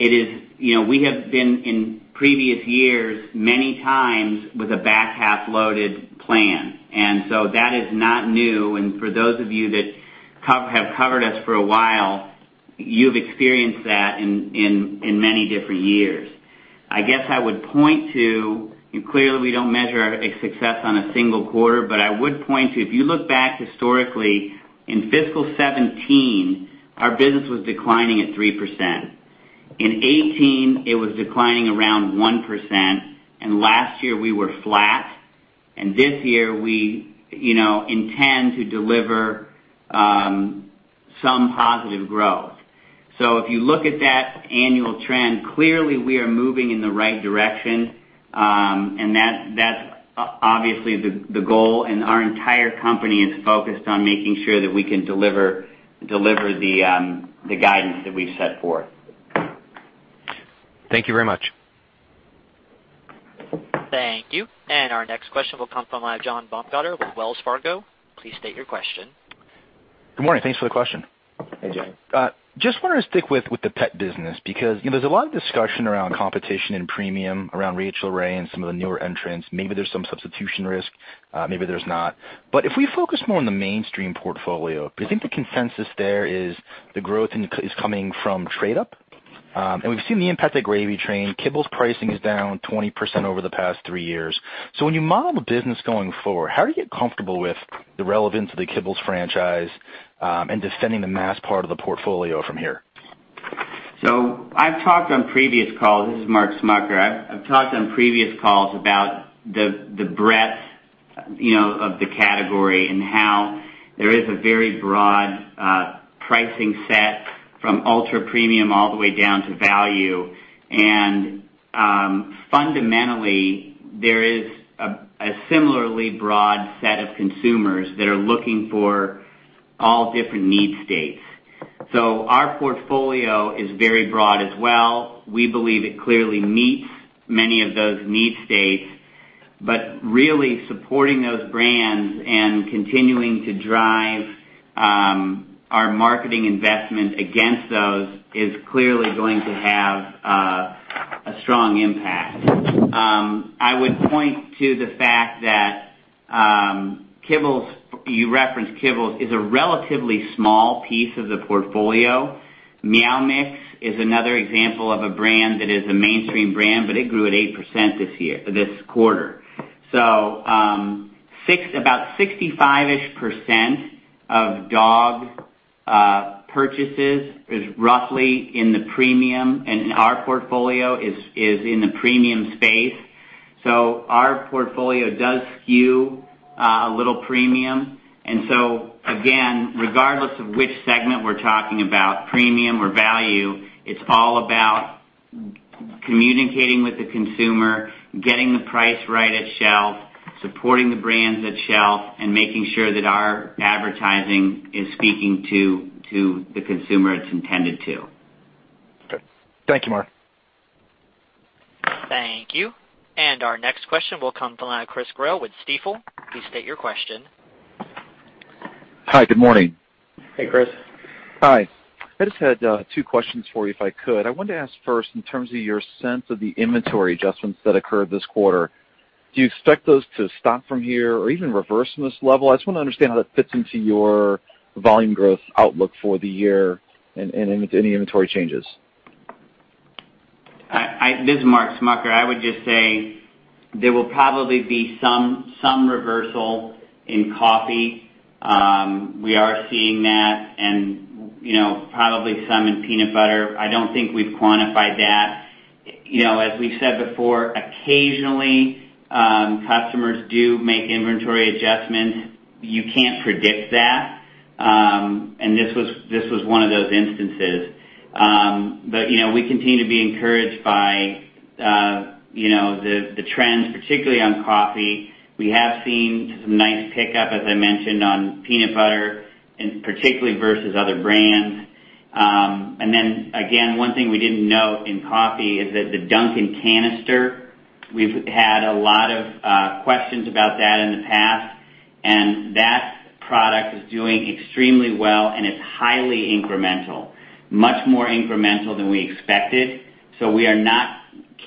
we have been in previous years many times with a back half-loaded plan. And so that is not new. And for those of you that have covered us for a while, you've experienced that in many different years. I guess I would point to, clearly, we don't measure success on a single quarter, but I would point to, if you look back historically, in fiscal 2017, our business was declining at 3%. In 2018, it was declining around 1%. And last year, we were flat. And this year, we intend to deliver some positive growth. So if you look at that annual trend, clearly, we are moving in the right direction. And that's obviously the goal. And our entire company is focused on making sure that we can deliver the guidance that we've set forth. Thank you very much. Thank you. And our next question will come from John Baumgartner with Wells Fargo. Please state your question. Good morning. Thanks for the question. Hey, John. Just wanted to stick with the pet business because there's a lot of discussion around competition and premium around Rachael Ray and some of the newer entrants. Maybe there's some substitution risk. Maybe there's not. But if we focus more on the mainstream portfolio, do you think the consensus there is the growth is coming from trade-up? And we've seen the impact that Gravy Train. Kibbles' pricing is down 20% over the past three years. So when you model the business going forward, how do you get comfortable with the relevance of the Kibbles' franchise and defending the mass part of the portfolio from here? So I've talked on previous calls (this is Mark Smucker). I've talked on previous calls about the breadth of the category and how there is a very broad pricing set from ultra premium all the way down to value, and fundamentally, there is a similarly broad set of consumers that are looking for all different need states, so our portfolio is very broad as well. We believe it clearly meets many of those need states, but really supporting those brands and continuing to drive our marketing investment against those is clearly going to have a strong impact. I would point to the fact that Kibbles—you referenced Kibbles—is a relatively small piece of the portfolio. Meow Mix is another example of a brand that is a mainstream brand, but it grew at 8% this quarter. So about 65-ish% of dog purchases is roughly in the premium, and our portfolio is in the premium space. So our portfolio does skew a little premium. And so again, regardless of which segment we're talking about, premium or value, it's all about communicating with the consumer, getting the price right at shelf, supporting the brands at shelf, and making sure that our advertising is speaking to the consumer it's intended to. Okay. Thank you, Mark. Thank you. And our next question will come from the line of Chris Growe with Stifel. Please state your question. Hi, good morning. Hey, Chris. Hi. I just had two questions for you if I could. I wanted to ask first, in terms of your sense of the inventory adjustments that occurred this quarter, do you expect those to stop from here or even reverse from this level? I just want to understand how that fits into your volume growth outlook for the year and any inventory changes. This is Mark Smucker. I would just say there will probably be some reversal in coffee. We are seeing that and probably some in peanut butter. I don't think we've quantified that. As we've said before, occasionally, customers do make inventory adjustments. You can't predict that. And this was one of those instances. But we continue to be encouraged by the trends, particularly on coffee. We have seen some nice pickup, as I mentioned, on peanut butter, particularly versus other brands. And then again, one thing we didn't know in coffee is that the Dunkin' canister. We've had a lot of questions about that in the past, and that product is doing extremely well, and it's highly incremental, much more incremental than we expected, so we are not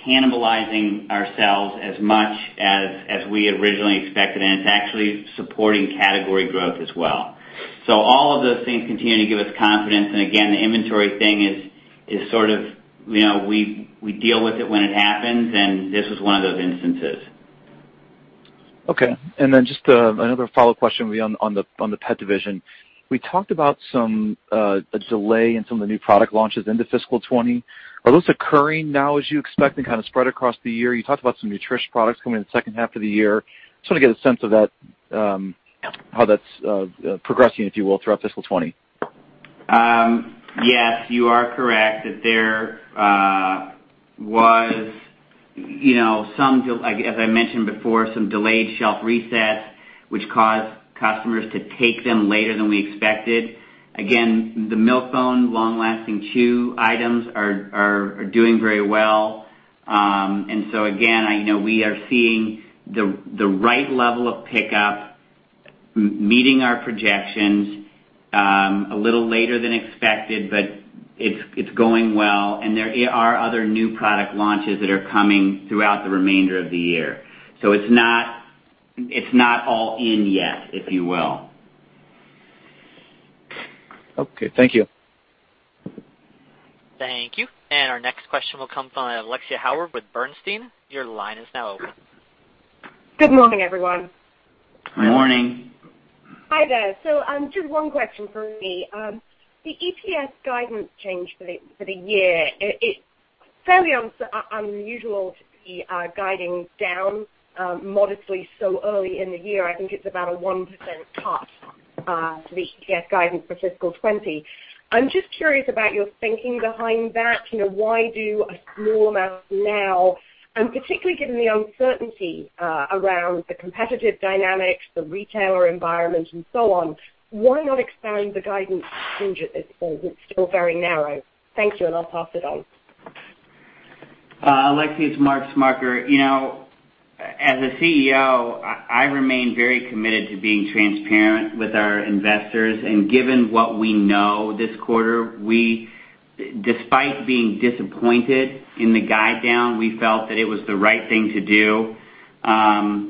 cannibalizing ourselves as much as we originally expected, and it's actually supporting category growth as well, so all of those things continue to give us confidence, and again, the inventory thing is sort of we deal with it when it happens, and this was one of those instances. Okay, and then just another follow-up question would be on the pet division. We talked about some delay in some of the new product launches into fiscal 2020. Are those occurring now as you expect and kind of spread across the year? You talked about some Nutrish products coming in the second half of the year. Just want to get a sense of how that's progressing, if you will, throughout fiscal 2020. Yes, you are correct that there was, as I mentioned before, some delayed shelf resets, which caused customers to take them later than we expected. Again, the Milk-Bone, long-lasting chew items are doing very well. And so again, we are seeing the right level of pickup meeting our projections a little later than expected, but it's going well. And there are other new product launches that are coming throughout the remainder of the year. So it's not all in yet, if you will. Okay. Thank you. Thank you. And our next question will come from Alexia Howard with Bernstein. Your line is now open. Good morning, everyone. Good morning. Hi there. So just one question for me. The EPS guidance change for the year. It's fairly unusual to be guiding down modestly so early in the year. I think it's about a 1% cut to the EPS guidance for fiscal 2020. I'm just curious about your thinking behind that. Why do a small amount now? And particularly given the uncertainty around the competitive dynamics, the retailer environment, and so on, why not expand the guidance range at this point? It's still very narrow. Thank you, and I'll pass it on. Alexia, it's Mark Smucker. As a CEO, I remain very committed to being transparent with our investors. And given what we know this quarter, despite being disappointed in the guide down, we felt that it was the right thing to do. And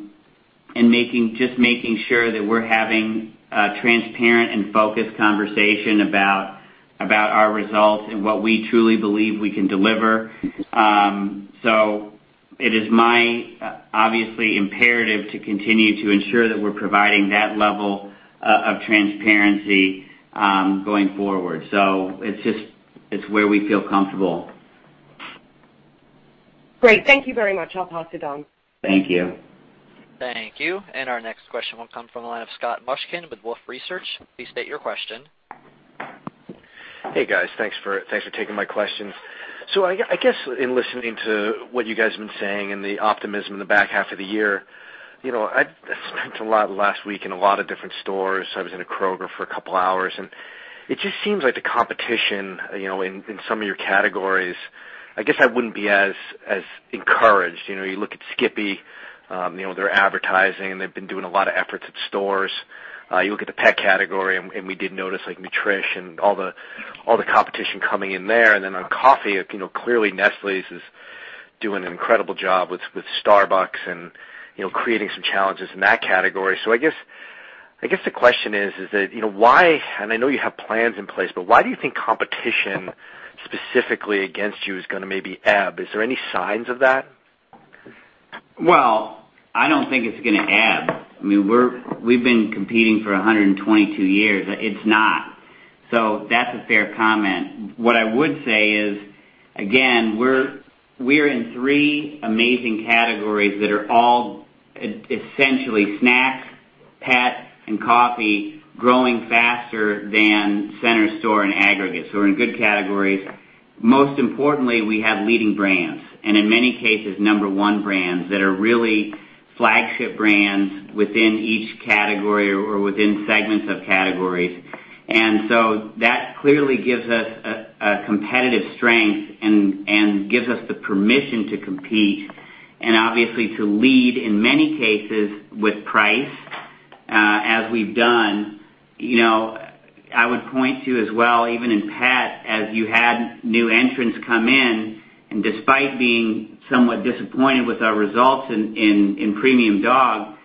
just making sure that we're having a transparent and focused conversation about our results and what we truly believe we can deliver. So it is my, obviously, imperative to continue to ensure that we're providing that level of transparency going forward. So it's where we feel comfortable. Great. Thank you very much. I'll pass it on. Thank you. Thank you. And our next question will come from the line of Scott Mushkin with Wolfe Research. Please state your question. Hey, guys. Thanks for taking my questions. So I guess in listening to what you guys have been saying and the optimism in the back half of the year, I spent a lot of last week in a lot of different stores. I was in a Kroger for a couple of hours. And it just seems like the competition in some of your categories. I guess I wouldn't be as encouraged. You look at Skippy, their advertising, and they've been doing a lot of efforts at stores. You look at the pet category, and we did notice Nutrish and all the competition coming in there. And then on coffee, clearly, Nestlé is doing an incredible job with Starbucks and creating some challenges in that category. So I guess the question is, is that why, and I know you have plans in place, but why do you think competition specifically against you is going to maybe ebb? Is there any signs of that? Well, I don't think it's going to ebb. I mean, we've been competing for 122 years. It's not. So that's a fair comment. What I would say is, again, we're in three amazing categories that are all essentially snacks, pet, and coffee growing faster than Center Store and aggregate. So we're in good categories. Most importantly, we have leading brands, and in many cases, number one brands that are really flagship brands within each category or within segments of categories, and so that clearly gives us a competitive strength and gives us the permission to compete and obviously to lead, in many cases, with price as we've done. I would point to as well, even in pet, as you had new entrants come in, and despite being somewhat disappointed with our results in premium dog,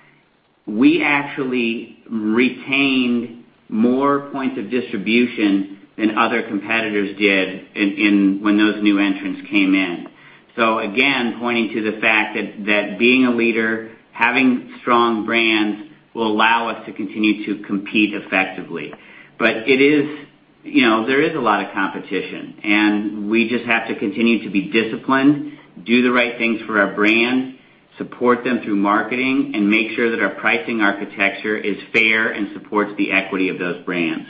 we actually retained more points of distribution than other competitors did when those new entrants came in, so again, pointing to the fact that being a leader, having strong brands will allow us to continue to compete effectively, but there is a lot of competition. And we just have to continue to be disciplined, do the right things for our brand, support them through marketing, and make sure that our pricing architecture is fair and supports the equity of those brands.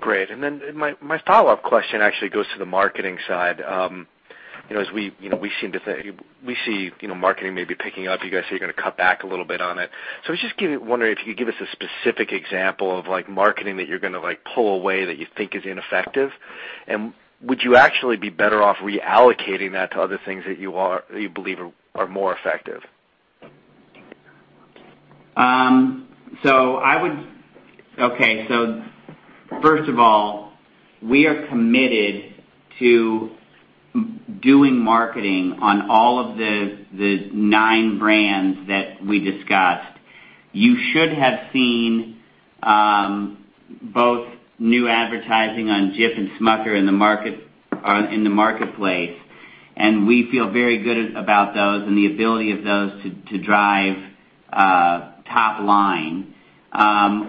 Great. And then my follow-up question actually goes to the marketing side. As we seem to think, we see marketing may be picking up. You guys say you're going to cut back a little bit on it. So I was just wondering if you could give us a specific example of marketing that you're going to pull away that you think is ineffective. And would you actually be better off reallocating that to other things that you believe are more effective? Okay. So first of all, we are committed to doing marketing on all of the nine brands that we discussed. You should have seen both new advertising on Jif and Smucker's in the marketplace, and we feel very good about those and the ability of those to drive top line.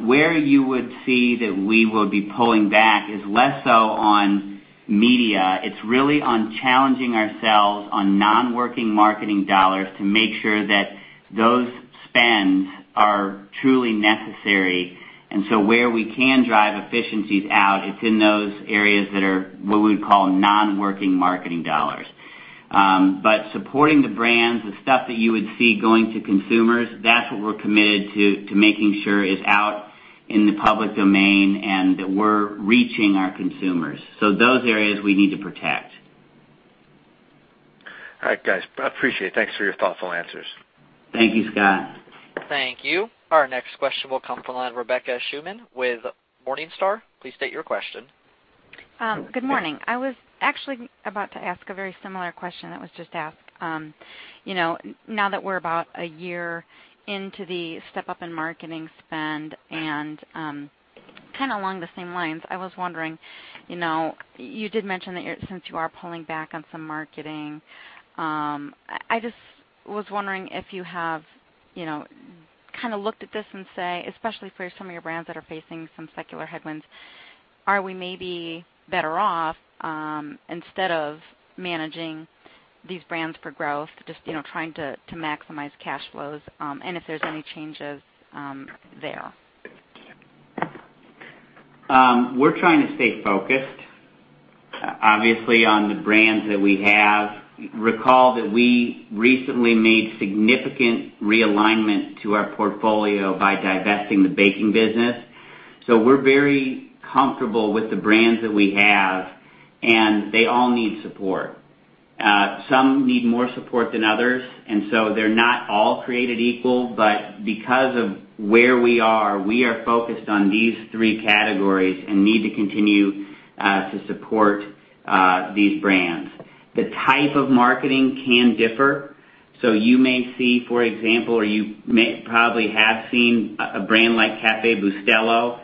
Where you would see that we will be pulling back is less so on media. It's really on challenging ourselves on non-working marketing dollars to make sure that those spends are truly necessary, and so where we can drive efficiencies out, it's in those areas that are what we would call non-working marketing dollars, but supporting the brands, the stuff that you would see going to consumers, that's what we're committed to making sure is out in the public domain and that we're reaching our consumers, so those areas we need to protect. All right, guys. I appreciate it. Thanks for your thoughtful answers. Thank you, Scott. Thank you. Our next question will come from the line of Rebecca Scheuneman with Morningstar. Please state your question. Good morning. I was actually about to ask a very similar question that was just asked. Now that we're about a year into the step-up in marketing spend and kind of along the same lines, I was wondering, you did mention that since you are pulling back on some marketing, I just was wondering if you have kind of looked at this and say, especially for some of your brands that are facing some secular headwinds, are we maybe better off instead of managing these brands for growth, just trying to maximize cash flows and if there's any changes there? We're trying to stay focused, obviously, on the brands that we have. Recall that we recently made significant realignment to our portfolio by divesting the baking business. We're very comfortable with the brands that we have, and they all need support. Some need more support than others, and so they're not all created equal. But because of where we are, we are focused on these three categories and need to continue to support these brands. The type of marketing can differ. So you may see, for example, or you probably have seen a brand like Café Bustelo.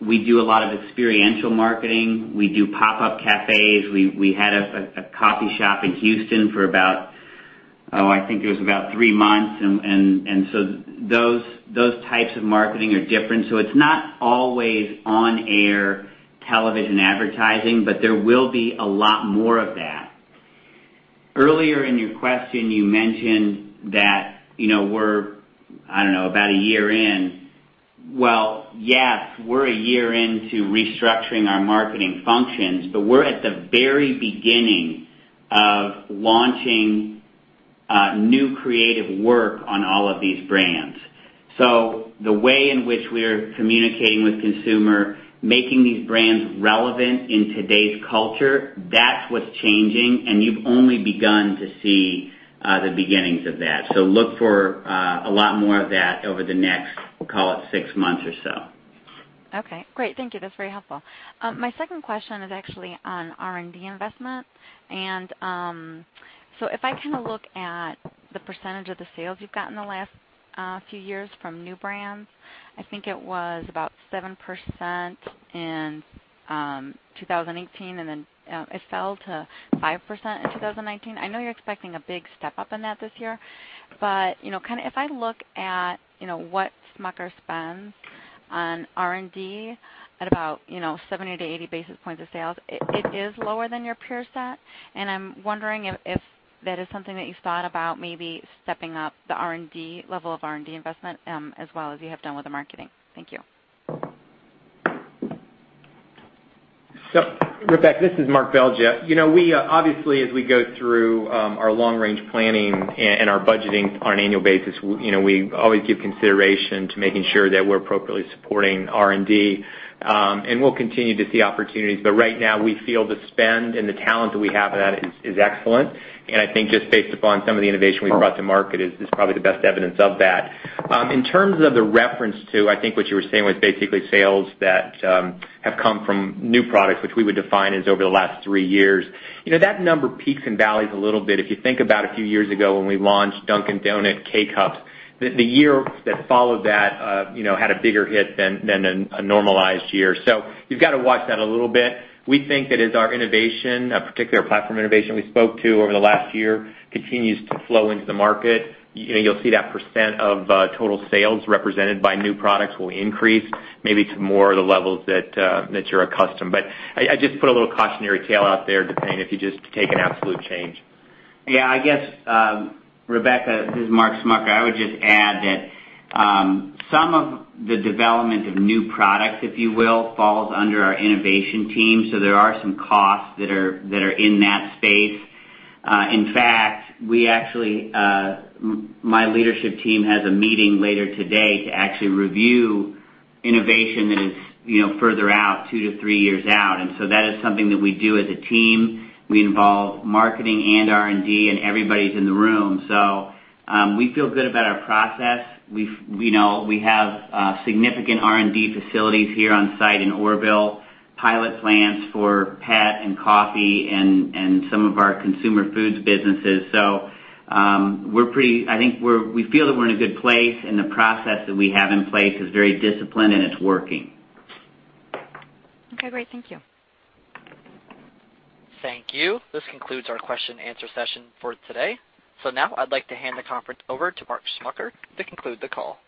We do a lot of experiential marketing. We do pop-up cafes. We had a coffee shop in Houston for about, oh, I think it was about three months. And so those types of marketing are different. So it's not always on-air television advertising, but there will be a lot more of that. Earlier in your question, you mentioned that we're, I don't know, about a year in. Well, yes, we're a year into restructuring our marketing functions, but we're at the very beginning of launching new creative work on all of these brands, so the way in which we're communicating with consumers, making these brands relevant in today's culture, that's what's changing, and you've only begun to see the beginnings of that, so look for a lot more of that over the next, call it, six months or so. Okay. Great. Thank you. That's very helpful. My second question is actually on R&D investment, and so if I kind of look at the percentage of the sales you've gotten the last few years from new brands, I think it was about 7% in 2018, and then it fell to 5% in 2019. I know you're expecting a big step up in that this year. But kind of if I look at what Smucker spends on R&D at about 70-80 basis points of sales, it is lower than your peer set. And I'm wondering if that is something that you've thought about maybe stepping up the R&D level of R&D investment as well as you have done with the marketing. Thank you. Yep. Rebecca, this is Mark Belgya. Obviously, as we go through our long-range planning and our budgeting on an annual basis, we always give consideration to making sure that we're appropriately supporting R&D. And we'll continue to see opportunities. But right now, we feel the spend and the talent that we have in that is excellent. And I think just based upon some of the innovation we've brought to market is probably the best evidence of that. In terms of the reference to, I think what you were saying was basically sales that have come from new products, which we would define as over the last three years. That number peaks and valleys a little bit. If you think about a few years ago when we launched Dunkin' Donuts K-Cups, the year that followed that had a bigger hit than a normalized year, so you've got to watch that a little bit. We think that as our innovation, particularly our platform innovation we spoke to over the last year, continues to flow into the market, you'll see that % of total sales represented by new products will increase maybe to more of the levels that you're accustomed, but I just put a little cautionary tale out there depending if you just take an absolute change. Yeah. I guess, Rebecca, this is Mark Smucker. I would just add that some of the development of new products, if you will, falls under our innovation team, so there are some costs that are in that space. In fact, my leadership team has a meeting later today to actually review innovation that is further out, two to three years out, and so that is something that we do as a team. We involve marketing and R&D, and everybody's in the room, so we feel good about our process. We have significant R&D facilities here on site in Orrville, pilot plants for pet and coffee and some of our Consumer Foods businesses, so I think we feel that we're in a good place, and the process that we have in place is very disciplined, and it's working. Okay. Great. Thank you. Thank you. This concludes our question-and-answer session for today. So now I'd like to hand the conference over to Mark Smucker to conclude the call.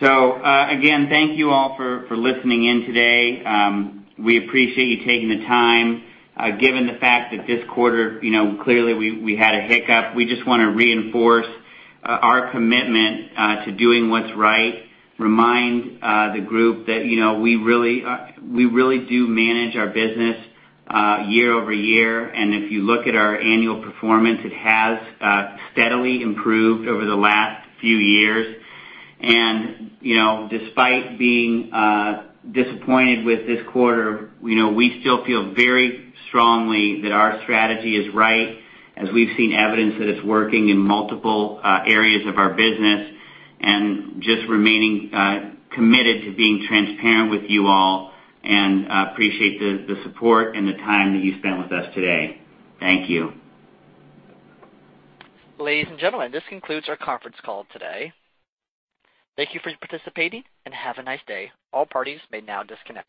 So again, thank you all for listening in today. We appreciate you taking the time. Given the fact that this quarter, clearly, we had a hiccup, we just want to reinforce our commitment to doing what's right, remind the group that we really do manage our business year over year. And if you look at our annual performance, it has steadily improved over the last few years. And despite being disappointed with this quarter, we still feel very strongly that our strategy is right, as we've seen evidence that it's working in multiple areas of our business, and just remaining committed to being transparent with you all and appreciate the support and the time that you spent with us today. Thank you. Ladies and gentlemen, this concludes our conference call today. Thank you for participating, and have a nice day. All parties may now disconnect.